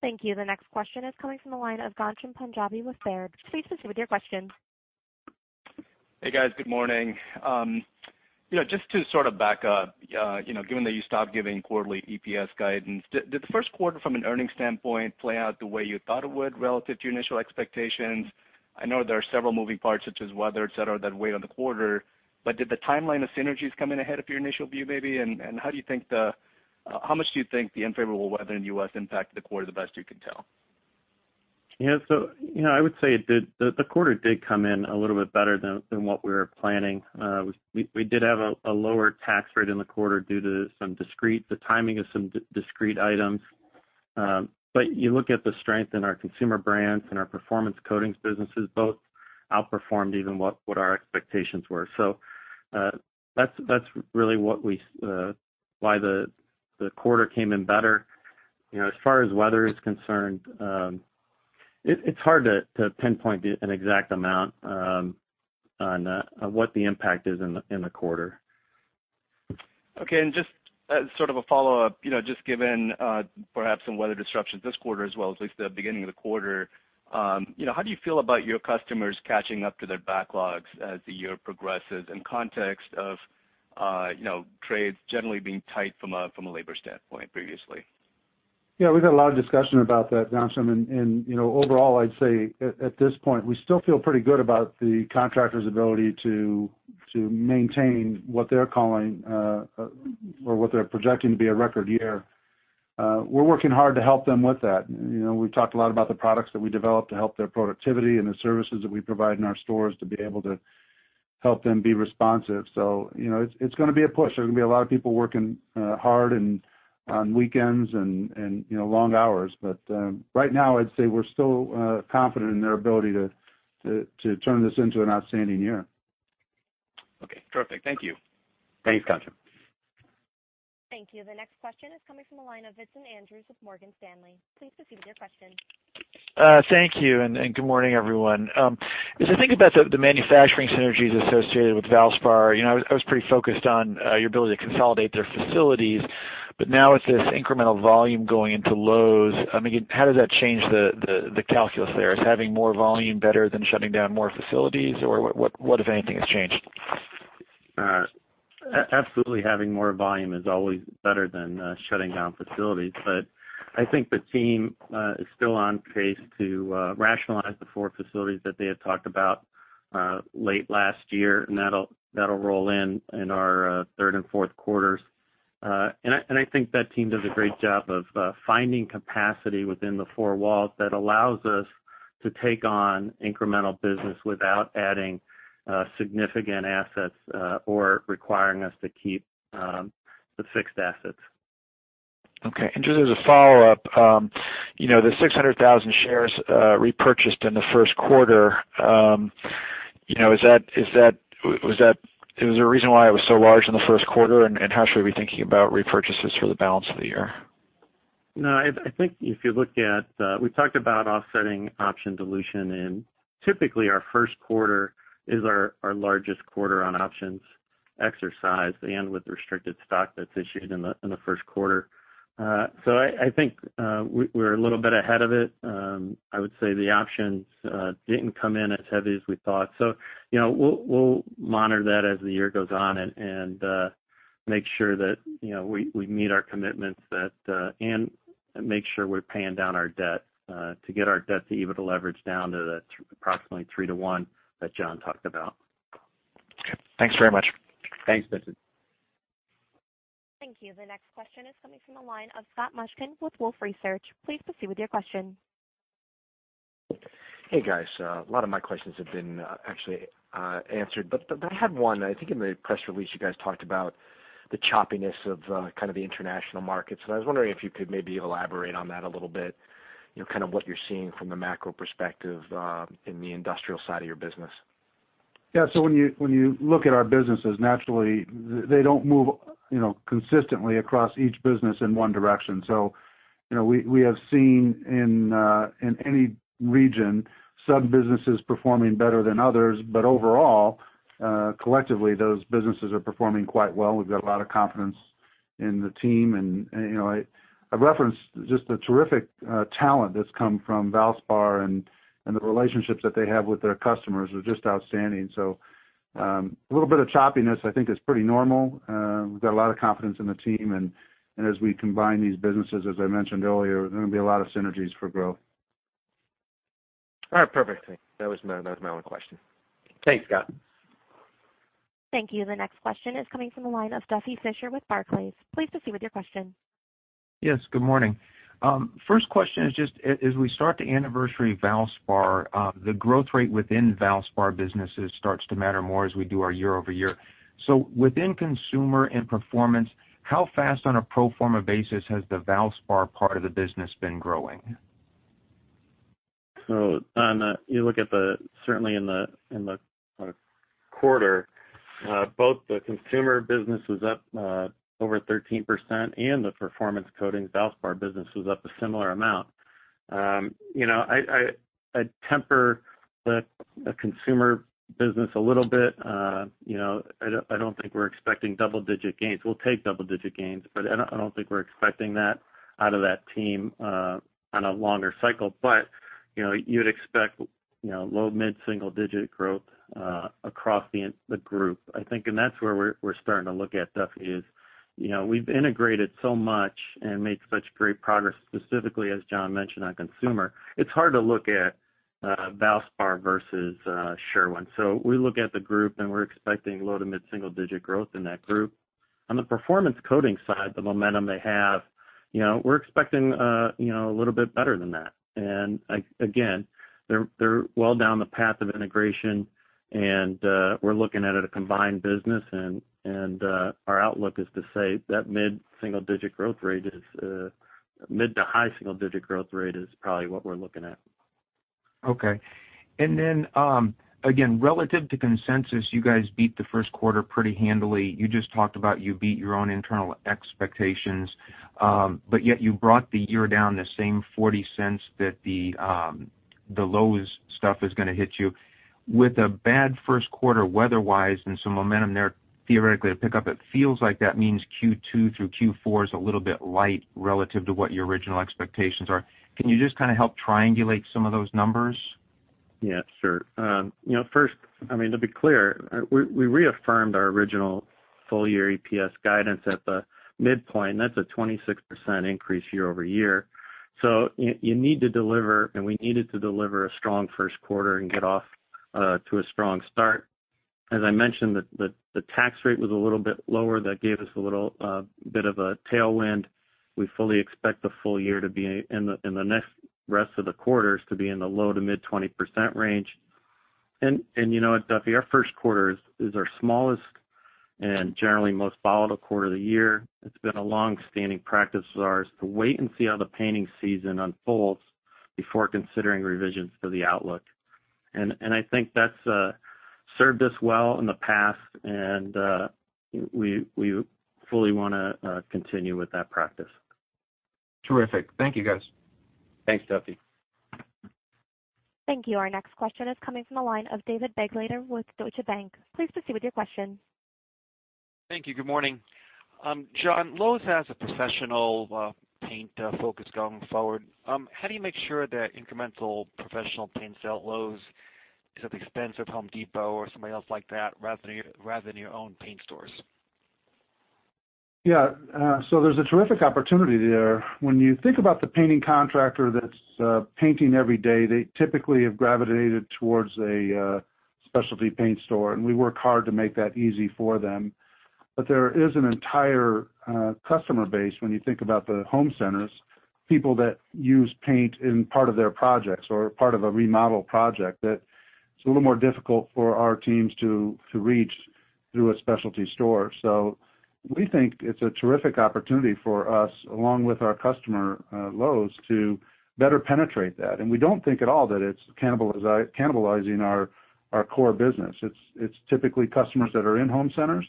Thank you. The next question is coming from the line of Ghansham Panjabi with Baird. Please proceed with your question. Hey, guys. Good morning. Just to sort of back up, given that you stopped giving quarterly EPS guidance, did the first quarter from an earnings standpoint play out the way you thought it would relative to initial expectations? I know there are several moving parts such as weather, et cetera, that weighed on the quarter, but did the timeline of synergies come in ahead of your initial view, maybe? How much do you think the unfavorable weather in the U.S. impacted the quarter, the best you can tell? Yeah. I would say the quarter did come in a little bit better than what we were planning. We did have a lower tax rate in the quarter due to the timing of some discrete items. You look at the strength in our Consumer Brands and our Performance Coatings businesses, both outperformed even what our expectations were. That's really why the quarter came in better. As far as weather is concerned, it's hard to pinpoint an exact amount on what the impact is in the quarter. Okay. Just as sort of a follow-up, just given perhaps some weather disruptions this quarter as well, at least the beginning of the quarter, how do you feel about your customers catching up to their backlogs as the year progresses in context of trades generally being tight from a labor standpoint previously? Yeah, we've had a lot of discussion about that, Ghansham, overall, I'd say at this point, we still feel pretty good about the contractors' ability to maintain what they're calling, or what they're projecting to be a record year. We're working hard to help them with that. We've talked a lot about the products that we develop to help their productivity and the services that we provide in our stores to be able to help them be responsive. It's going to be a push. There's going to be a lot of people working hard and on weekends and long hours. Right now, I'd say we're still confident in their ability to turn this into an outstanding year. Okay, perfect. Thank you. Thanks, Ghansham. Thank you. The next question is coming from the line of Vincent Andrews with Morgan Stanley. Please proceed with your question. Thank you, and good morning, everyone. As I think about the manufacturing synergies associated with Valspar, I was pretty focused on your ability to consolidate their facilities, but now with this incremental volume going into Lowe's, how does that change the calculus there? Is having more volume better than shutting down more facilities? Or what, if anything, has changed? Absolutely, having more volume is always better than shutting down facilities. I think the team is still on pace to rationalize the four facilities that they had talked about late last year, that'll roll in our third and fourth quarters. I think that team does a great job of finding capacity within the four walls that allows us to take on incremental business without adding significant assets or requiring us to keep the fixed assets. Okay. Just as a follow-up, the 600,000 shares repurchased in the first quarter, is there a reason why it was so large in the first quarter? How should we be thinking about repurchases for the balance of the year? I think we talked about offsetting option dilution, typically, our first quarter is our largest quarter on options exercise and with restricted stock that's issued in the first quarter. I think we're a little bit ahead of it. I would say the options didn't come in as heavy as we thought. We'll monitor that as the year goes on, make sure that we meet our commitments, make sure we're paying down our debt, to get our debt-to-EBITDA leverage down to the approximately three to one that John talked about. Thanks very much. Thanks, Vincent. Thank you. The next question is coming from the line of Scott Mushkin with Wolfe Research. Please proceed with your question. Hey, guys. A lot of my questions have been actually answered, but I have one. I think in the press release, you guys talked about the choppiness of kind of the international markets, and I was wondering if you could maybe elaborate on that a little bit, kind of what you're seeing from the macro perspective in the industrial side of your business. Yeah. When you look at our businesses, naturally, they don't move consistently across each business in one direction. We have seen in any region, some businesses performing better than others. Overall, collectively, those businesses are performing quite well. We've got a lot of confidence in the team, and I've referenced just the terrific talent that's come from Valspar, and the relationships that they have with their customers are just outstanding. A little bit of choppiness I think is pretty normal. We've got a lot of confidence in the team, and as we combine these businesses, as I mentioned earlier, there are going to be a lot of synergies for growth. All right, perfect. That was my only question. Thanks, Scott. Thank you. The next question is coming from the line of Duffy Fischer with Barclays. Please proceed with your question. Yes, good morning. First question is just, as we start to anniversary Valspar, the growth rate within Valspar businesses starts to matter more as we do our year-over-year. Within consumer and performance, how fast on a pro forma basis has the Valspar part of the business been growing? Duffy, you look at certainly in the quarter, both the consumer business was up over 13% and the Performance Coatings Valspar business was up a similar amount. I'd temper the consumer business a little bit. I don't think we're expecting double-digit gains. We'll take double-digit gains, but I don't think we're expecting that out of that team on a longer cycle. You would expect low, mid-single-digit growth across the group, I think. That's where we're starting to look at, Duffy, is we've integrated so much and made such great progress specifically, as John mentioned, on consumer. It's hard to look at Valspar versus Sherwin. We look at the group, and we're expecting low to mid-single-digit growth in that group. On the Performance Coatings side, the momentum they have, we're expecting a little bit better than that. Again, they're well down the path of integration, and we're looking at it a combined business, and our outlook is to say that mid- to high-single-digit growth rate is probably what we're looking at. Okay. Relative to consensus, you guys beat the first quarter pretty handily. You just talked about you beat your own internal expectations, yet you brought the year down the same $0.40 that the Lowe's stuff is going to hit you. With a bad first quarter weather-wise and some momentum there theoretically to pick up, it feels like that means Q2 through Q4 is a little bit light relative to what your original expectations are. Can you just kind of help triangulate some of those numbers? Yeah, sure. First, to be clear, we reaffirmed our original full-year EPS guidance at the midpoint. That's a 26% increase year-over-year. You need to deliver, and we needed to deliver a strong first quarter and get off to a strong start. As I mentioned, the tax rate was a little bit lower. That gave us a little bit of a tailwind. We fully expect the full year and the next rest of the quarters to be in the low to mid 20% range. You know what, Duffy, our first quarter is our smallest and generally most volatile quarter of the year. It's been a longstanding practice of ours to wait and see how the painting season unfolds before considering revisions to the outlook. I think that's served us well in the past, and we fully want to continue with that practice. Terrific. Thank you, guys. Thanks, Duffy. Thank you. Our next question is coming from the line of David Begleiter with Deutsche Bank. Please proceed with your question. Thank you. Good morning. John, Lowe's has a professional paint focus going forward. How do you make sure that incremental professional paint sale at Lowe's is at the expense of The Home Depot or somebody else like that rather than your own paint stores? Yeah. There's a terrific opportunity there. When you think about the painting contractor that's painting every day, they typically have gravitated towards a specialty paint store, and we work hard to make that easy for them. There is an entire customer base when you think about the home centers, people that use paint in part of their projects or part of a remodel project that it's a little more difficult for our teams to reach through a specialty store. We think it's a terrific opportunity for us, along with our customer, Lowe's, to better penetrate that. We don't think at all that it's cannibalizing our core business. It's typically customers that are in home centers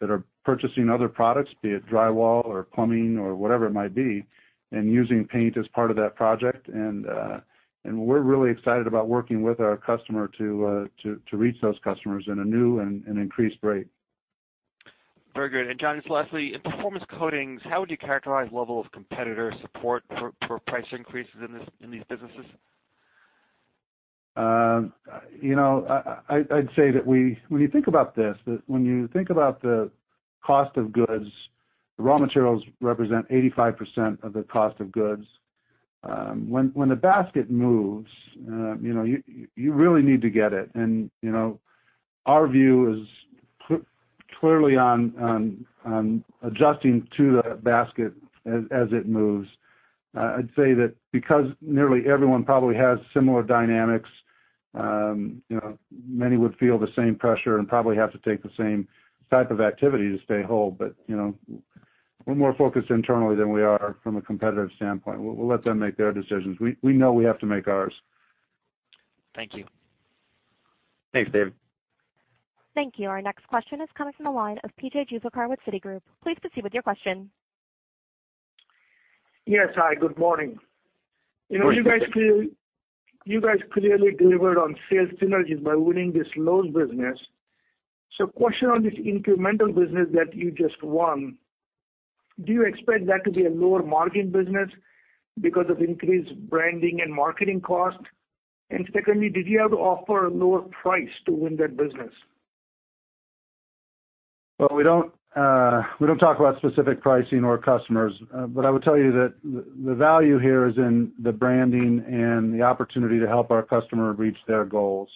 that are purchasing other products, be it drywall or plumbing or whatever it might be, and using paint as part of that project. We're really excited about working with our customer to reach those customers in a new and increased rate. Very good. John, just lastly, in Performance Coatings, how would you characterize level of competitor support for price increases in these businesses? I'd say that when you think about this, when you think about the cost of goods, the raw materials represent 85% of the cost of goods. When the basket moves, you really need to get it, our view is clearly on adjusting to the basket as it moves. I'd say that because nearly everyone probably has similar dynamics, many would feel the same pressure and probably have to take the same type of activity to stay whole. We're more focused internally than we are from a competitive standpoint. We'll let them make their decisions. We know we have to make ours. Thank you. Thanks, David. Thank you. Our next question is coming from the line of P.J. Juvekar with Citigroup. Please proceed with your question. Yes. Hi, good morning. Good morning. You guys clearly delivered on sales synergies by winning this Lowe's business. Question on this incremental business that you just won, do you expect that to be a lower margin business because of increased branding and marketing cost? Secondly, did you have to offer a lower price to win that business? Well, we don't talk about specific pricing or customers. I would tell you that the value here is in the branding and the opportunity to help our customer reach their goals.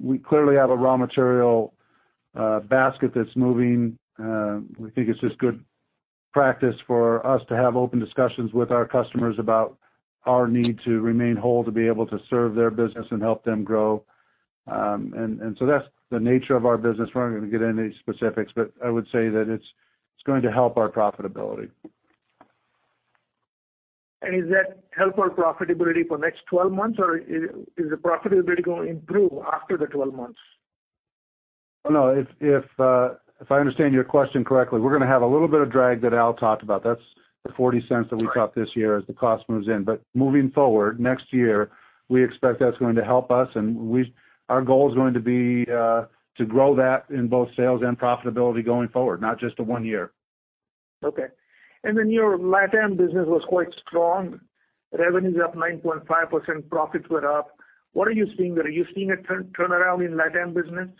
We clearly have a raw material basket that's moving. We think it's just good practice for us to have open discussions with our customers about our need to remain whole to be able to serve their business and help them grow. That's the nature of our business. We're not going to get into any specifics, but I would say that it's going to help our profitability. Is that help our profitability for next 12 months, or is the profitability going to improve after the 12 months? No. If I understand your question correctly, we're going to have a little bit of drag that Al talked about. That's the $0.40 that we- Right dropped this year as the cost moves in. Moving forward, next year, we expect that's going to help us, and our goal's going to be to grow that in both sales and profitability going forward, not just the one year. Okay. Your LATAM business was quite strong. Revenues up 9.5%, profits were up. What are you seeing there? Are you seeing a turnaround in LATAM business?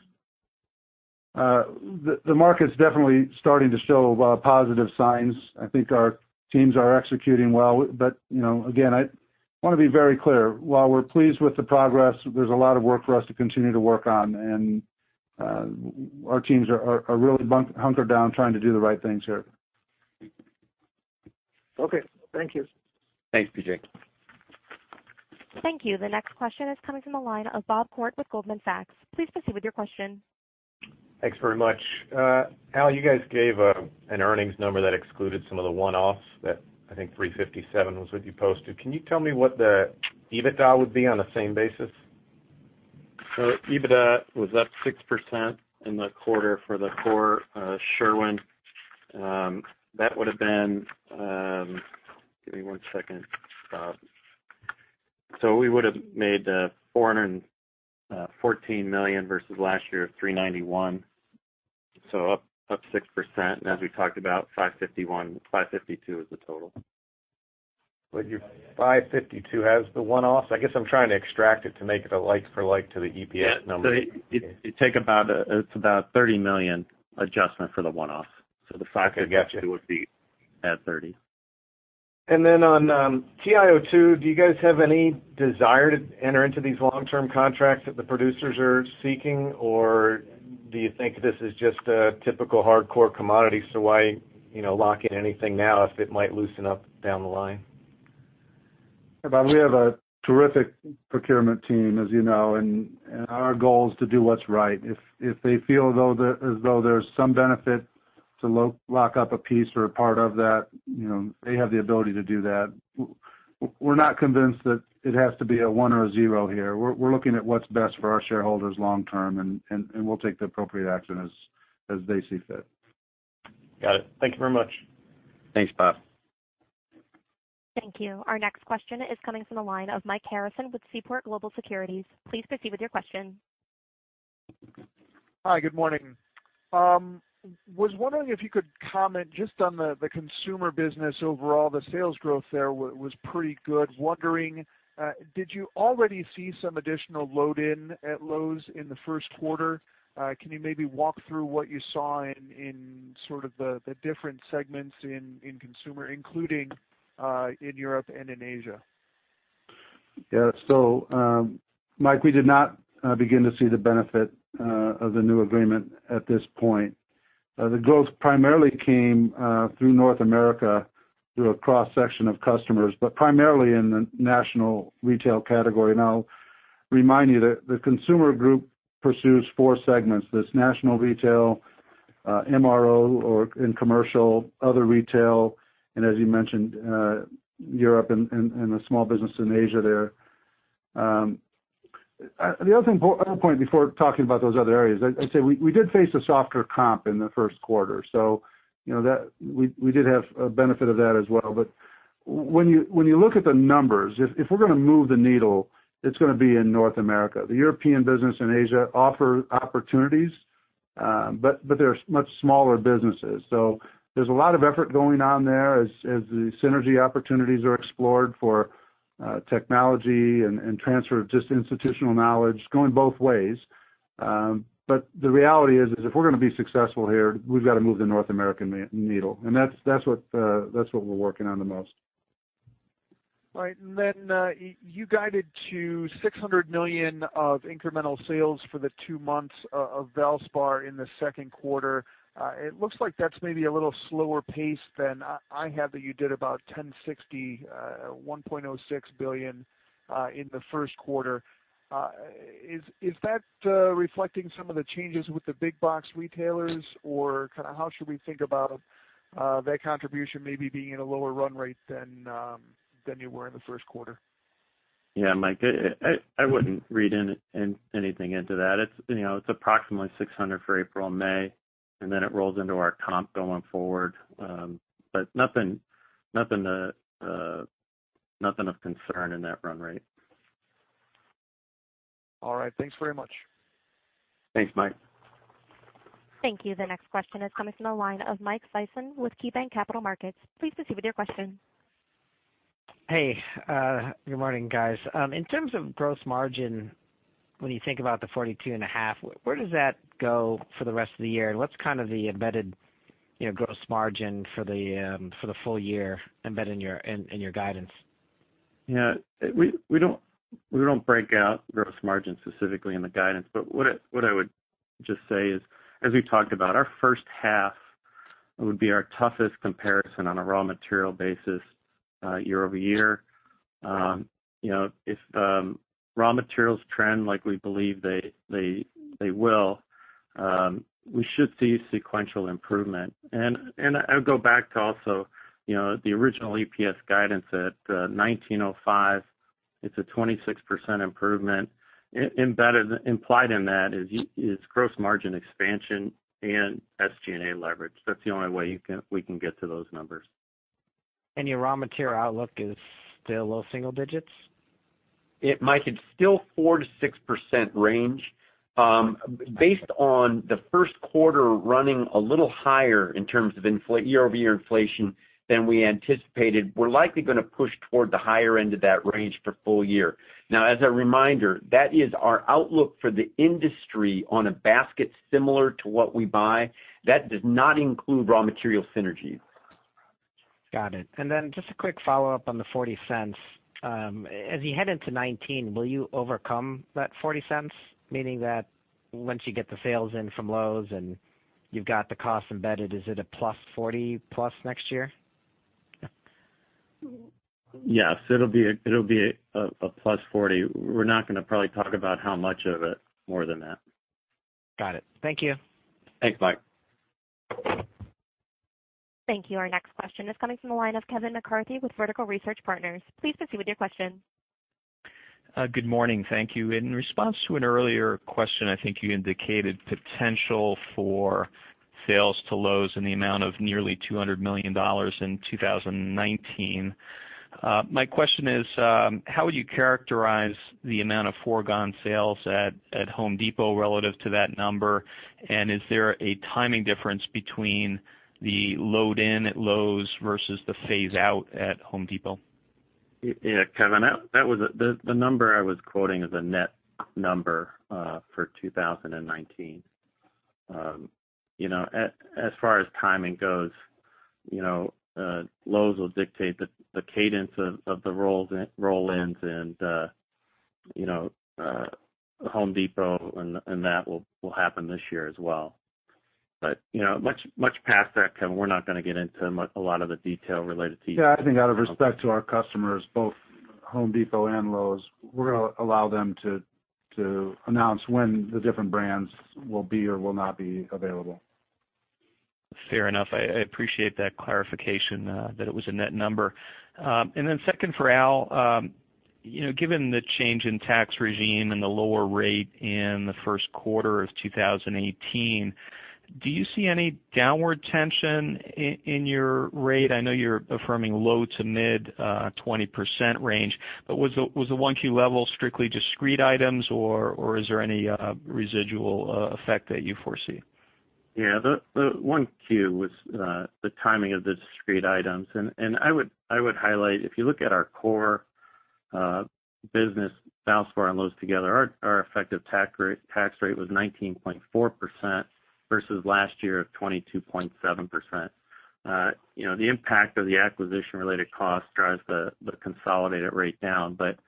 The market's definitely starting to show positive signs. I think our teams are executing well. Again, I want to be very clear. While we're pleased with the progress, there's a lot of work for us to continue to work on, and our teams are really hunkered down trying to do the right things here. Okay. Thank you. Thanks, P.J. Thank you. The next question is coming from the line of Bob Koort with Goldman Sachs. Please proceed with your question. Thanks very much. Al, you guys gave an earnings number that excluded some of the one-offs that, I think $3.57 was what you posted. Can you tell me what the EBITDA would be on the same basis? EBITDA was up 6% in the quarter for the core Sherwin. That would've been, give me one second, Bob. We would've made $414 million versus last year of $391. Up 6%. As we talked about, $551, $552 is the total. Your $552 has the one-offs? I guess I'm trying to extract it to make it a like for like to the EPS number. Yeah. You take about $30 million adjustment for the one-off. The 552 would be- I got you add 30. On TiO2, do you guys have any desire to enter into these long-term contracts that the producers are seeking, or do you think this is just a typical hardcore commodity, why lock in anything now if it might loosen up down the line? Hey, Bob, we have a terrific procurement team, as you know, and our goal is to do what's right. If they feel as though there's some benefit to lock up a piece or a part of that, they have the ability to do that. We're not convinced that it has to be a one or a zero here. We're looking at what's best for our shareholders long term, and we'll take the appropriate action as they see fit. Got it. Thank you very much. Thanks, Bob. Thank you. Our next question is coming from the line of Mike Harrison with Seaport Global Securities. Please proceed with your question. Hi, good morning. Was wondering if you could comment just on the consumer business overall. The sales growth there was pretty good. Wondering, did you already see some additional load in at Lowe's in the first quarter? Can you maybe walk through what you saw in sort of the different segments in consumer, including in Europe and in Asia? Mike, we did not begin to see the benefit of the new agreement at this point. The growth primarily came through North America through a cross-section of customers, but primarily in the national retail category. Remind you that the Consumer Group pursues four segments, this national retail, MRO or in commercial, other retail, and as you mentioned, Europe and the small business in Asia there. The other point before talking about those other areas, I'd say we did face a softer comp in the first quarter. We did have a benefit of that as well. When you look at the numbers, if we're going to move the needle, it's going to be in North America. The European business and Asia offer opportunities. They're much smaller businesses. There's a lot of effort going on there as the synergy opportunities are explored for technology and transfer of just institutional knowledge. It's going both ways. The reality is if we're going to be successful here, we've got to move the North American needle. That's what we're working on the most. All right. You guided to $600 million of incremental sales for the two months of Valspar in the second quarter. It looks like that's maybe a little slower pace than I had that you did about $1.06 billion in the first quarter. Is that reflecting some of the changes with the big box retailers, or kind of how should we think about that contribution maybe being at a lower run rate than you were in the first quarter? Yeah, Mike, I wouldn't read anything into that. It's approximately $600 for April and May, and then it rolls into our comp going forward. Nothing of concern in that run rate. All right. Thanks very much. Thanks, Mike. Thank you. The next question is coming from the line of Michael Sison with KeyBanc Capital Markets. Please proceed with your question. Hey, good morning, guys. In terms of gross margin, when you think about the 42.5%, where does that go for the rest of the year, and what's kind of the embedded gross margin for the full year embedded in your guidance? Yeah. We don't break out gross margin specifically in the guidance. What I would just say is, as we talked about, our first half would be our toughest comparison on a raw material basis year-over-year. If the raw materials trend like we believe they will, we should see sequential improvement. I would go back to also, the original EPS guidance at $19.05, it's a 26% improvement. Implied in that is gross margin expansion and SG&A leverage. That's the only way we can get to those numbers. Your raw material outlook is still low single digits? Mike, it's still 4%-6% range. Based on the first quarter running a little higher in terms of year-over-year inflation than we anticipated, we're likely going to push toward the higher end of that range for full year. As a reminder, that is our outlook for the industry on a basket similar to what we buy. That does not include raw material synergies. Got it. Then just a quick follow-up on the $0.40. As you head into 2019, will you overcome that $0.40? Meaning that once you get the sales in from Lowe's and you've got the cost embedded, is it a plus $0.40 plus next year? Yes, it'll be a plus $0.40. We're not going to probably talk about how much of it more than that. Got it. Thank you. Thanks, Mike. Thank you. Our next question is coming from the line of Kevin McCarthy with Vertical Research Partners. Please proceed with your question. Good morning. Thank you. In response to an earlier question, I think you indicated potential for sales to Lowe's in the amount of nearly $200 million in 2019. My question is, how would you characterize the amount of foregone sales at Home Depot relative to that number? Is there a timing difference between the load in at Lowe's versus the phase out at Home Depot? Yeah, Kevin, the number I was quoting is a net number for 2019. As far as timing goes, Lowe's will dictate the cadence of the roll-ins, and Home Depot and that will happen this year as well. Much past that, Kevin, we're not going to get into a lot of the detail. Yeah, I think out of respect to our customers, both Home Depot and Lowe's, we're going to allow them to announce when the different brands will be or will not be available. Fair enough. I appreciate that clarification that it was a net number. Second for Al, given the change in tax regime and the lower rate in the first quarter of 2018, do you see any downward tension in your rate? I know you're affirming low to mid 20% range, but was the 1Q level strictly discrete items, or is there any residual effect that you foresee? Yeah. The 1Q was the timing of the discrete items. I would highlight, if you look at our core business, Valspar and Lowe's together, our effective tax rate was 19.4% versus last year of 22.7%. The impact of the acquisition related cost drives the consolidated rate down, but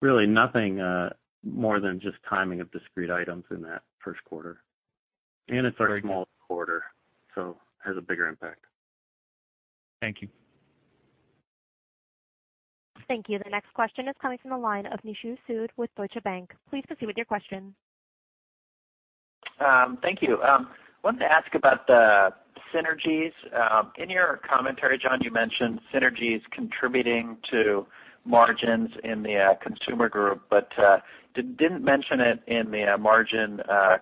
really nothing more than just timing of discrete items in that first quarter. It's a very small quarter, so has a bigger impact. Thank you. Thank you. The next question is coming from the line of Nishu Sood with Deutsche Bank. Please proceed with your question. Thank you. Wanted to ask about the synergies. In your commentary, John, you mentioned synergies contributing to margins in the Consumer Group, but didn't mention it in the margin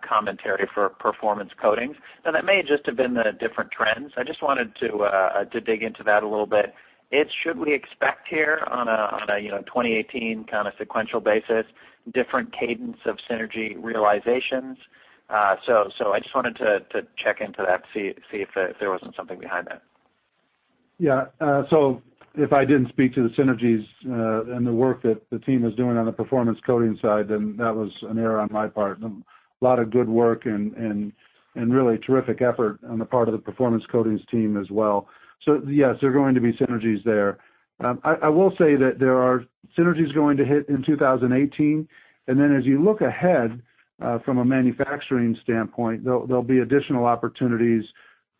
commentary for Performance Coatings. That may just have been the different trends. I just wanted to dig into that a little bit. Should we expect here on a 2018 kind of sequential basis, different cadence of synergy realizations? I just wanted to check into that, see if there wasn't something behind that. If I didn't speak to the synergies and the work that the team is doing on the Performance Coatings side, then that was an error on my part, and a lot of good work and really terrific effort on the part of the Performance Coatings team as well. Yes, there are going to be synergies there. I will say that there are synergies going to hit in 2018. Then as you look ahead from a manufacturing standpoint, there'll be additional opportunities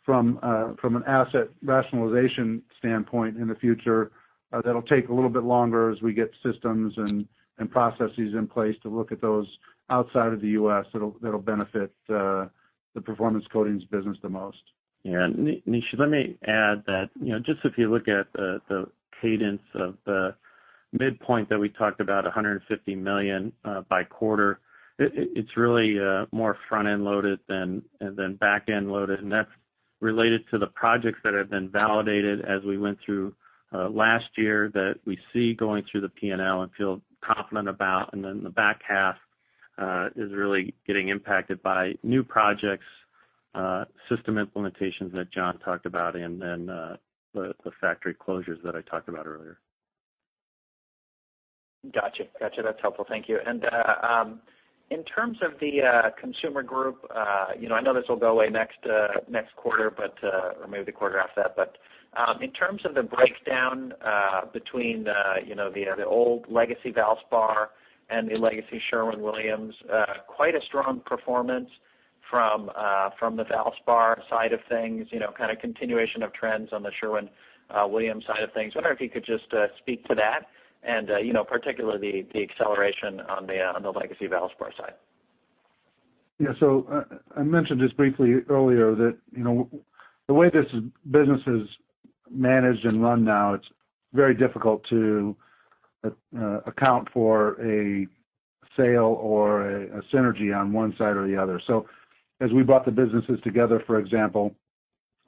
from an asset rationalization standpoint in the future that'll take a little bit longer as we get systems and processes in place to look at those outside of the U.S. that'll benefit the Performance Coatings business the most. Nishu, let me add that, just if you look at the cadence of the midpoint that we talked about, $150 million by quarter, it's really more front-end loaded than back-end loaded. That's related to the projects that have been validated as we went through last year that we see going through the P&L and feel confident about. Then the back half is really getting impacted by new projects, system implementations that John talked about, and then the factory closures that I talked about earlier. Got you. That's helpful. Thank you. In terms of the Consumer Group, I know this will go away next quarter, or maybe the quarter after that, but in terms of the breakdown between the old legacy Valspar and the legacy Sherwin-Williams, quite a strong performance. From the Valspar side of things, kind of continuation of trends on the Sherwin-Williams side of things. I wonder if you could just speak to that and particularly the acceleration on the legacy Valspar side. I mentioned this briefly earlier that the way this business is managed and run now, it's very difficult to account for a sale or a synergy on one side or the other. As we brought the businesses together, for example,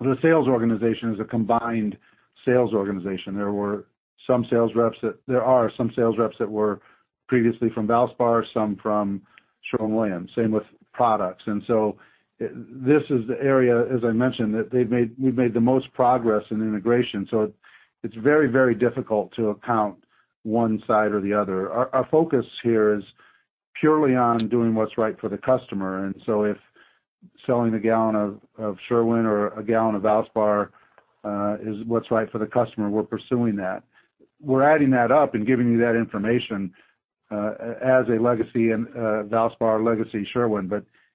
the sales organization is a combined sales organization. There are some sales reps that were previously from Valspar, some from Sherwin-Williams, same with products. This is the area, as I mentioned, that we've made the most progress in integration. It's very difficult to account one side or the other. Our focus here is purely on doing what's right for the customer. If selling a gallon of Sherwin or a gallon of Valspar is what's right for the customer, we're pursuing that. We're adding that up and giving you that information, as a legacy in Valspar, legacy Sherwin.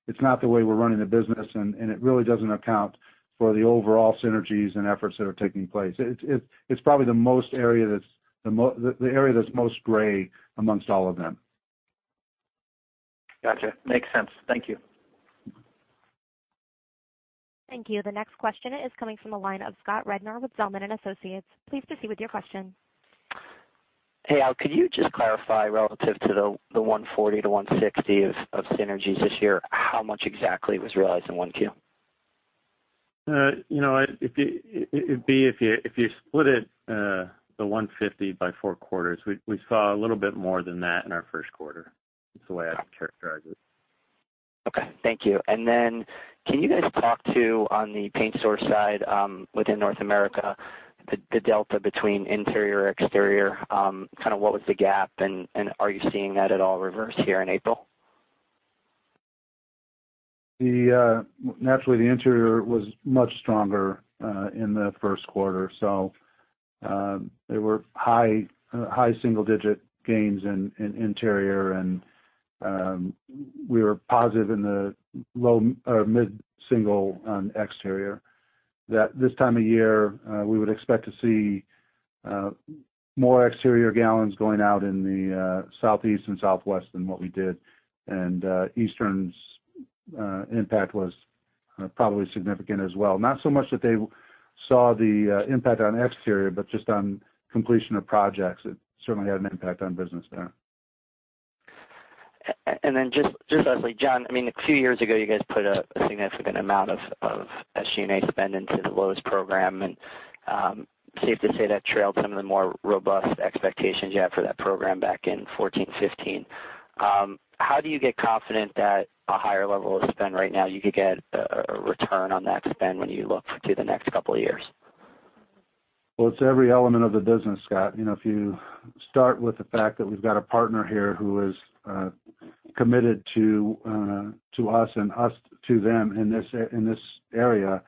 It's not the way we're running the business, and it really doesn't account for the overall synergies and efforts that are taking place. It's probably the area that's most gray amongst all of them. Got you. Makes sense. Thank you. Thank you. The next question is coming from the line of Scott Rednor with Zelman & Associates. Please proceed with your question. Hey, Al, could you just clarify relative to the $140-$160 of synergies this year, how much exactly was realized in 1Q? It'd be if you split it, the $150 by four quarters. We saw a little bit more than that in our first quarter. It's the way I'd characterize it. Okay, thank you. Can you guys talk to, on the paint store side, within North America, the delta between interior, exterior, kind of what was the gap, and are you seeing that at all reverse here in April? Naturally, the interior was much stronger in the first quarter. They were high single digit gains in interior, and we were positive in the mid-single on exterior. That this time of year, we would expect to see more exterior gallons going out in the Southeast and Southwest than what we did. Eastern's impact was probably significant as well. Not so much that they saw the impact on exterior, but just on completion of projects, it certainly had an impact on business there. Just lastly, John, a few years ago, you guys put a significant amount of SG&A spend into the Lowe's program. Safe to say that trailed some of the more robust expectations you had for that program back in 2014, 2015. How do you get confident that a higher level of spend right now, you could get a return on that spend when you look to the next couple of years? Well, it's every element of the business, Scott. If you start with the fact that we've got a partner here who is committed to us and us to them in this area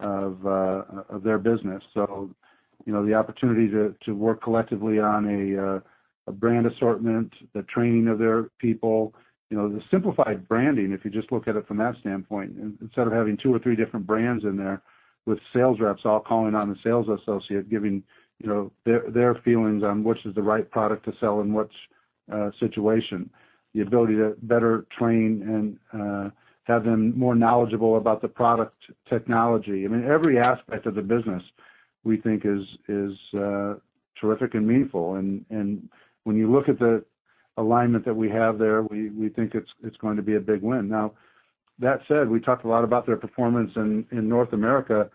of their business. The opportunity to work collectively on a brand assortment, the training of their people, the simplified branding, if you just look at it from that standpoint. Instead of having two or three different brands in there with sales reps all calling on the sales associate, giving their feelings on which is the right product to sell in which situation. The ability to better train and have them more knowledgeable about the product technology. I mean, every aspect of the business we think is terrific and meaningful. When you look at the alignment that we have there, we think it's going to be a big win. That said, we talked a lot about their performance in North America.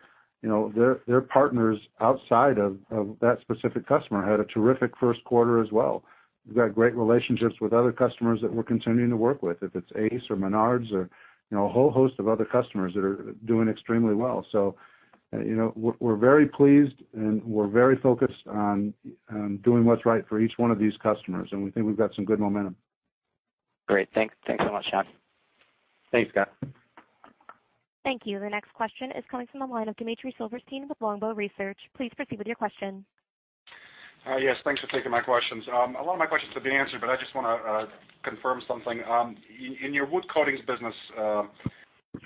Their partners outside of that specific customer had a terrific first quarter as well. We've got great relationships with other customers that we're continuing to work with, if it's Ace or Menards or a whole host of other customers that are doing extremely well. We're very pleased, and we're very focused on doing what's right for each one of these customers, and we think we've got some good momentum. Great. Thanks so much, John. Thanks, Scott. Thank you. The next question is coming from the line of Dmitry Silversteyn with Longbow Research. Please proceed with your question. Yes, thanks for taking my questions. A lot of my questions have been answered, but I just want to confirm something. In your wood coatings business,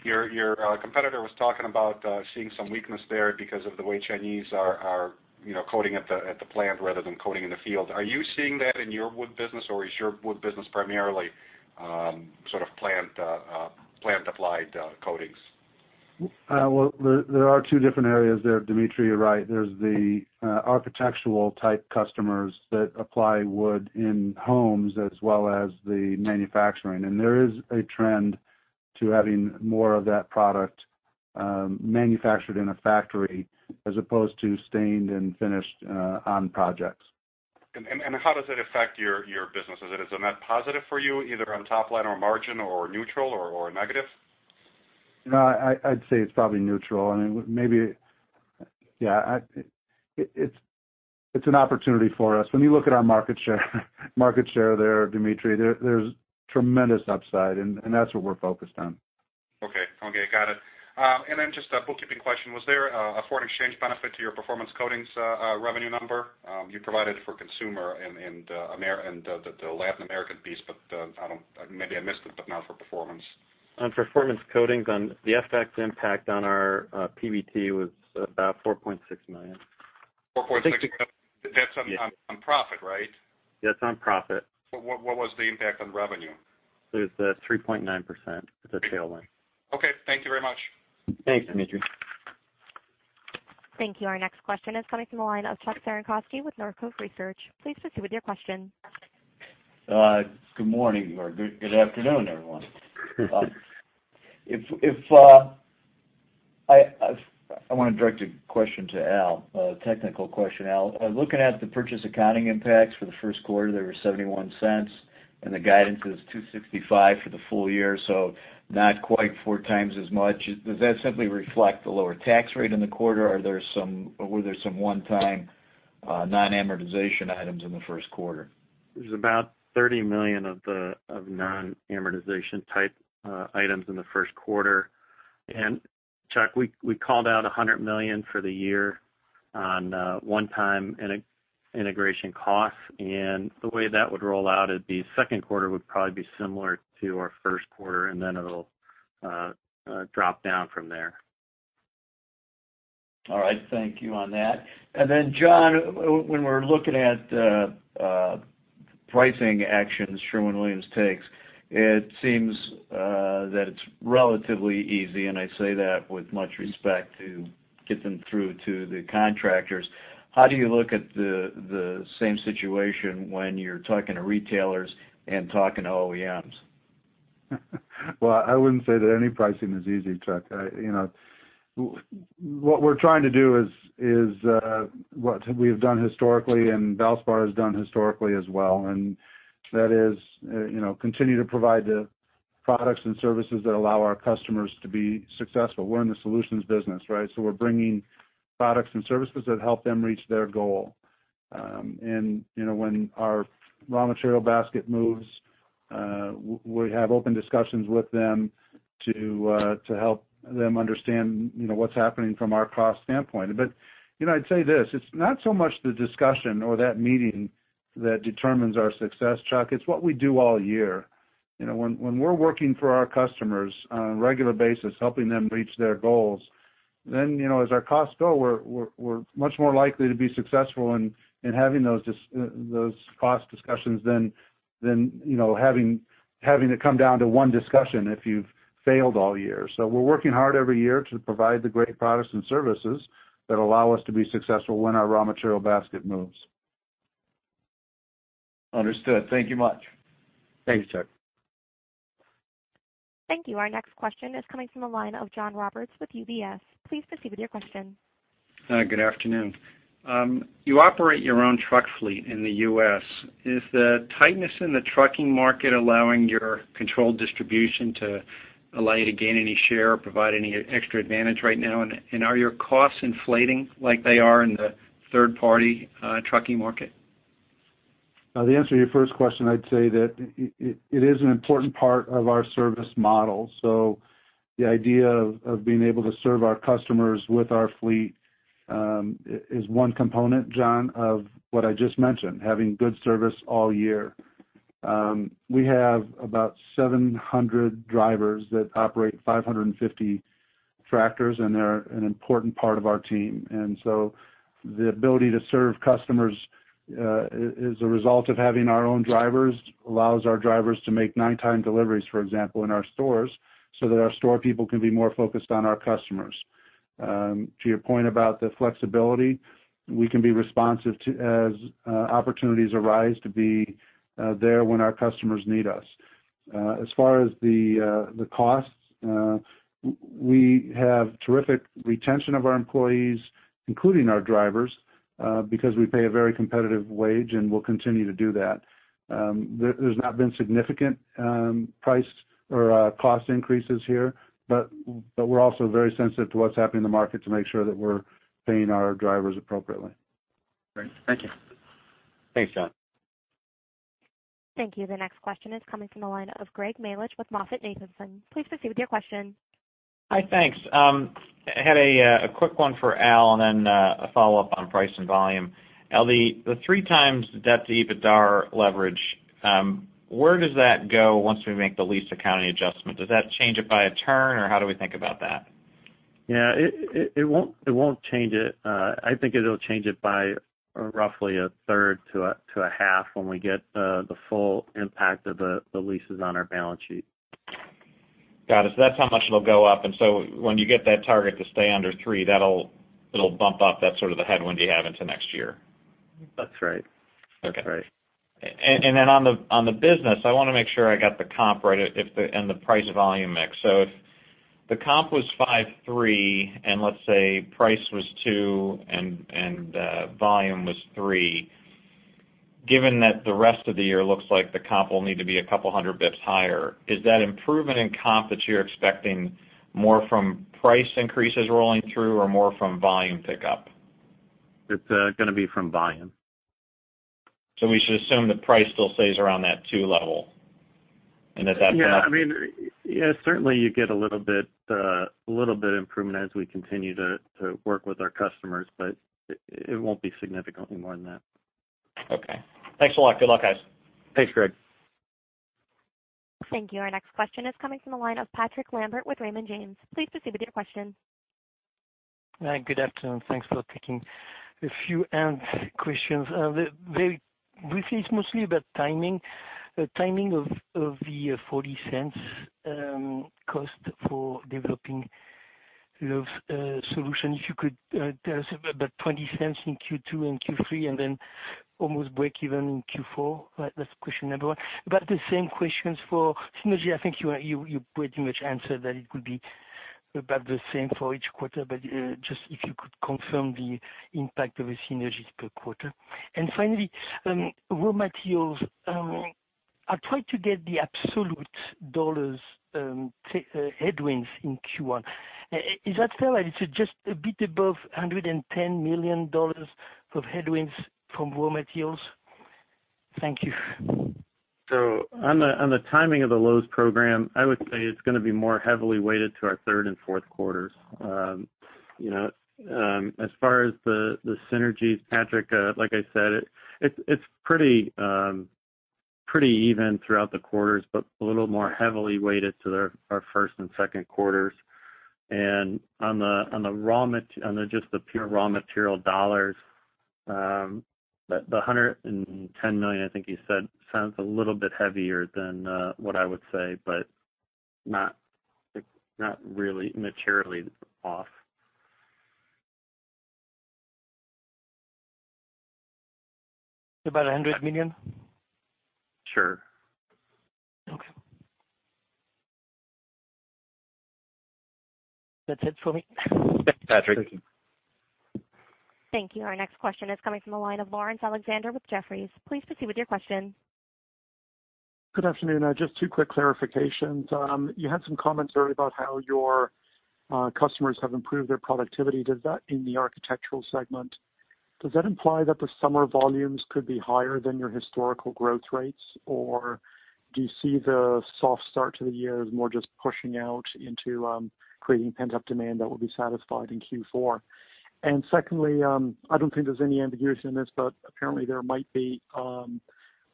your competitor was talking about seeing some weakness there because of the way Chinese are coating at the plant rather than coating in the field. Are you seeing that in your wood business, or is your wood business primarily sort of plant applied coatings? Well, there are two different areas there, Dmitry, you're right. There's the architectural type customers that apply wood in homes as well as the manufacturing. There is a trend to having more of that product manufactured in a factory as opposed to stained and finished on projects. How does that affect your business? Is a net positive for you, either on top line or margin, or neutral or negative? No, I'd say it's probably neutral. It's an opportunity for us. When you look at our market share there, Dmitry, there's tremendous upside, and that's what we're focused on. Okay. Got it. Just a bookkeeping question. Was there a foreign exchange benefit to your Performance Coatings revenue number? You provided for Consumer and the Latin American piece, but maybe I missed it, but not for Performance. On Performance Coatings on the FX impact on our PBT was about $4.6 million. 4.6. That's on profit, right? That's on profit. What was the impact on revenue? It was a 3.9%, the tailwind. Okay. Thank you very much. Thanks, Dmitry. Thank you. Our next question is coming from the line of Chuck Cerankosky with Northcoast Research. Please proceed with your question. Good morning, or good afternoon, everyone. I want to direct a question to Al, a technical question, Al. Looking at the purchase accounting impacts for the first quarter, they were $0.71, and the guidance was $2.65 for the full year, so not quite four times as much. Does that simply reflect the lower tax rate in the quarter, or were there some one-time non-amortization items in the first quarter? There's about $30 million of non-amortization type items in the first quarter. Chuck, we called out $100 million for the year on one-time integration costs, and the way that would roll out, it'd be second quarter would probably be similar to our first quarter, and then it'll drop down from there. All right. Thank you on that. John, when we're looking at pricing actions Sherwin-Williams takes, it seems that it's relatively easy, and I say that with much respect to get them through to the contractors. How do you look at the same situation when you're talking to retailers and talking to OEMs? Well, I wouldn't say that any pricing is easy, Chuck. What we're trying to do is what we have done historically, and Valspar has done historically as well, and that is continue to provide the products and services that allow our customers to be successful. We're in the solutions business, right? We're bringing products and services that help them reach their goal. When our raw material basket moves, we have open discussions with them to help them understand what's happening from our cost standpoint. I'd say this, it's not so much the discussion or that meeting that determines our success, Chuck. It's what we do all year. When we're working for our customers on a regular basis, helping them reach their goals, then, as our costs go, we're much more likely to be successful in having those cost discussions than having to come down to one discussion if you've failed all year. We're working hard every year to provide the great products and services that allow us to be successful when our raw material basket moves. Understood. Thank you much. Thanks, Chuck. Thank you. Our next question is coming from the line of John Roberts with UBS. Please proceed with your question. Good afternoon. You operate your own truck fleet in the U.S. Is the tightness in the trucking market allowing your controlled distribution to allow you to gain any share or provide any extra advantage right now? Are your costs inflating like they are in the third-party trucking market? The answer to your first question, I'd say that it is an important part of our service model. The idea of being able to serve our customers with our fleet, is one component, John, of what I just mentioned, having good service all year. We have about 700 drivers that operate 550 tractors, and they're an important part of our team. The ability to serve customers, as a result of having our own drivers, allows our drivers to make nighttime deliveries, for example, in our stores so that our store people can be more focused on our customers. To your point about the flexibility, we can be responsive as opportunities arise to be there when our customers need us. As far as the costs, we have terrific retention of our employees, including our drivers, because we pay a very competitive wage, and we'll continue to do that. There's not been significant price or cost increases here, we're also very sensitive to what's happening in the market to make sure that we're paying our drivers appropriately. Great. Thank you. Thanks, John. Thank you. The next question is coming from the line of Greg Melich with MoffettNathanson. Please proceed with your question. Hi, thanks. I had a quick one for Al and then a follow-up on price and volume. Al, the three times the debt-to-EBITDAR leverage, where does that go once we make the lease accounting adjustment? Does that change it by a turn, or how do we think about that? Yeah. It won't change it. I think it'll change it by roughly a third to a half when we get the full impact of the leases on our balance sheet. Got it. That's how much it'll go up. When you get that target to stay under three, it'll bump up that sort of the headwind you have into next year. That's right. Okay. That's right. Then on the business, I want to make sure I got the comp right and the price volume mix. If the comp was 5.3%, and let's say price was 2% and volume was 3%, given that the rest of the year looks like the comp will need to be a couple hundred basis points higher, is that improvement in comp that you're expecting more from price increases rolling through or more from volume pickup? It's going to be from volume. We should assume that price still stays around that 2 level. Yeah. Certainly, you get a little bit improvement as we continue to work with our customers, it won't be significantly more than that. Okay. Thanks a lot. Good luck, guys. Thanks, Greg. Thank you. Our next question is coming from the line of Patrick Lambert with Raymond James. Please proceed with your question. Hi. Good afternoon. Thanks for taking a few and questions. Very briefly, it's mostly about timing, the timing of the $0.40 cost for developing those solutions. If you could tell us about $0.20 in Q2 and Q3, then almost breakeven in Q4. That's question number one. About the same questions for synergy, I think you pretty much answered that it would be about the same for each quarter, but just if you could confirm the impact of the synergies per quarter. Finally, raw materials. I tried to get the absolute dollars headwinds in Q1. Is that fair? Is it just a bit above $110 million of headwinds from raw materials? Thank you. On the timing of the Lowe's program, I would say it's going to be more heavily weighted to our third and fourth quarters. As far as the synergies, Patrick, like I said, it's pretty even throughout the quarters, but a little more heavily weighted to our first and second quarters. On the pure raw material dollars, the $110 million I think you said sounds a little bit heavier than what I would say, but not really materially off. About $100 million? Sure. Okay. That's it for me. Thanks, Patrick. Thank you. Our next question is coming from the line of Laurence Alexander with Jefferies. Please proceed with your question. Good afternoon. Just two quick clarifications. You had some comments earlier about how your customers have improved their productivity in the architectural segment. Does that imply that the summer volumes could be higher than your historical growth rates, or do you see the soft start to the year as more just pushing out into creating pent-up demand that will be satisfied in Q4? Secondly, I don't think there's any ambiguity in this, but apparently, there might be.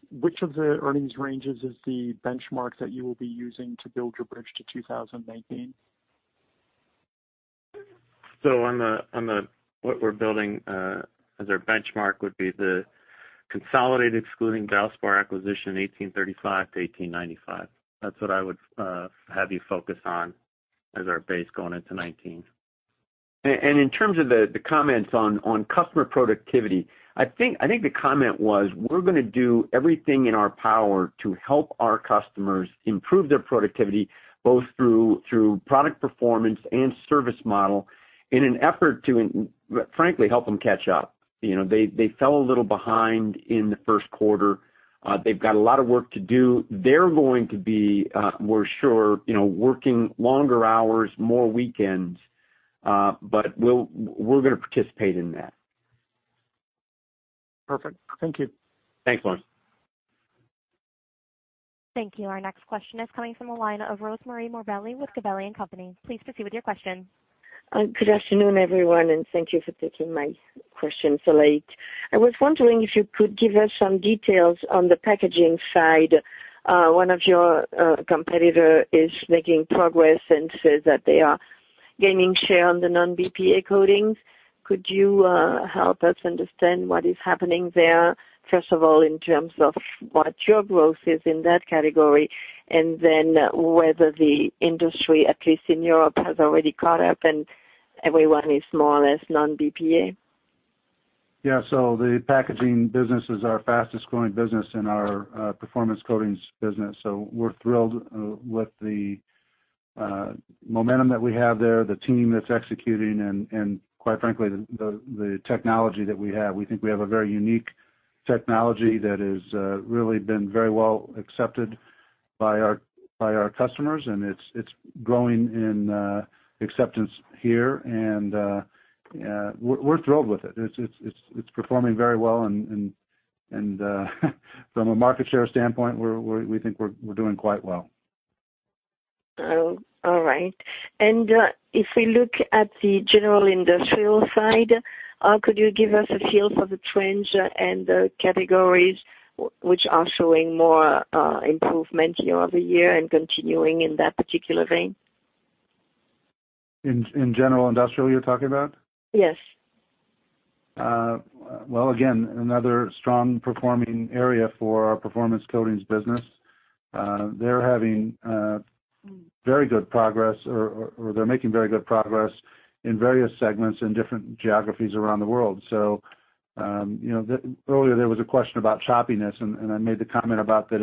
Which of the earnings ranges is the benchmark that you will be using to build your bridge to 2019? What we're building as our benchmark would be the consolidated excluding Valspar acquisition 18.35-18.95. That's what I would have you focus on as our base going into 2019. In terms of the comments on customer productivity, I think the comment was we're going to do everything in our power to help our customers improve their productivity, both through product performance and service model in an effort to frankly help them catch up. They fell a little behind in the first quarter. They've got a lot of work to do. They're going to be, we're sure, working longer hours, more weekends, we're going to participate in that. Perfect. Thank you. Thanks, Laurence. Thank you. Our next question is coming from the line of Rosemarie Morbelli with Gabelli & Company. Please proceed with your question. Good afternoon, everyone, and thank you for taking my question so late. I was wondering if you could give us some details on the packaging side. One of your competitor is making progress and says that they are gaining share on the non-BPA coatings. Could you help us understand what is happening there, first of all, in terms of what your growth is in that category, and then whether the industry, at least in Europe, has already caught up and everyone is more or less non-BPA? Yeah. The packaging business is our fastest growing business in our Performance Coatings business. We're thrilled with the momentum that we have there, the team that's executing, and quite frankly, the technology that we have. We think we have a very unique technology that has really been very well accepted by our customers, and it's growing in acceptance here, and we're thrilled with it. It's performing very well, and from a market share standpoint, we think we're doing quite well. All right. If we look at the general industrial side, could you give us a feel for the trends and the categories which are showing more improvement year-over-year and continuing in that particular vein? In General Industrial, you're talking about? Yes. Again, another strong performing area for our Performance Coatings Group. They're having very good progress, or they're making very good progress in various segments in different geographies around the world. Earlier, there was a question about choppiness, and I made the comment about that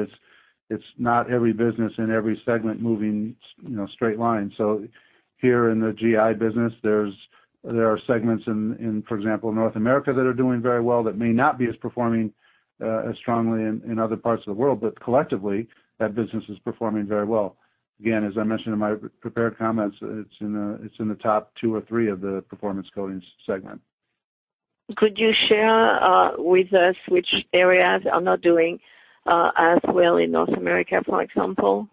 it's not every business and every segment moving straight line. Here in the GI business, there are segments in, for example, North America that are doing very well that may not be as performing as strongly in other parts of the world. Collectively, that business is performing very well. Again, as I mentioned in my prepared comments, it's in the top two or three of the Performance Coatings Group. Could you share with us which areas are not doing as well in North America, for example?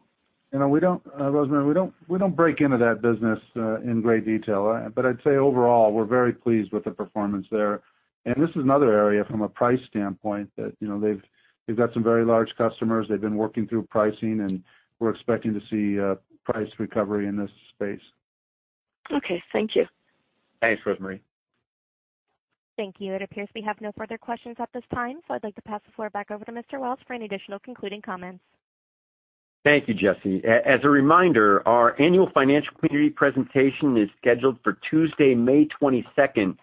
Rosemarie, we don't break into that business in great detail. I'd say overall, we're very pleased with the performance there. This is another area from a price standpoint that they've got some very large customers. They've been working through pricing, and we're expecting to see price recovery in this space. Okay. Thank you. Thanks, Rosemarie. Thank you. It appears we have no further questions at this time. I'd like to pass the floor back over to Mr. Wells for any additional concluding comments. Thank you, Jesse. As a reminder, our annual financial community presentation is scheduled for Tuesday, May 22nd.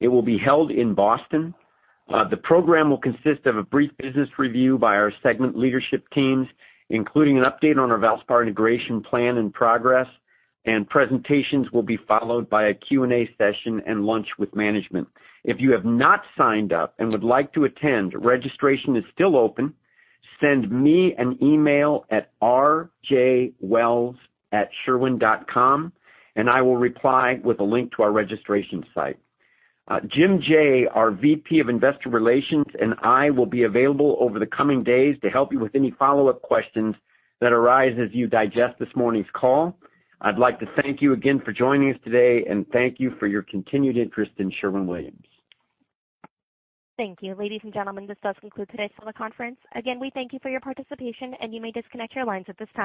It will be held in Boston. The program will consist of a brief business review by our segment leadership teams, including an update on our Valspar integration plan and progress. Presentations will be followed by a Q&A session and lunch with management. If you have not signed up and would like to attend, registration is still open. Send me an email at rjwells@sherwin.com. I will reply with a link to our registration site. Jim Jaye, our VP of Investor Relations, and I will be available over the coming days to help you with any follow-up questions that arise as you digest this morning's call. I'd like to thank you again for joining us today and thank you for your continued interest in Sherwin-Williams. Thank you. Ladies and gentlemen, this does conclude today's teleconference. Again, we thank you for your participation and you may disconnect your lines at this time.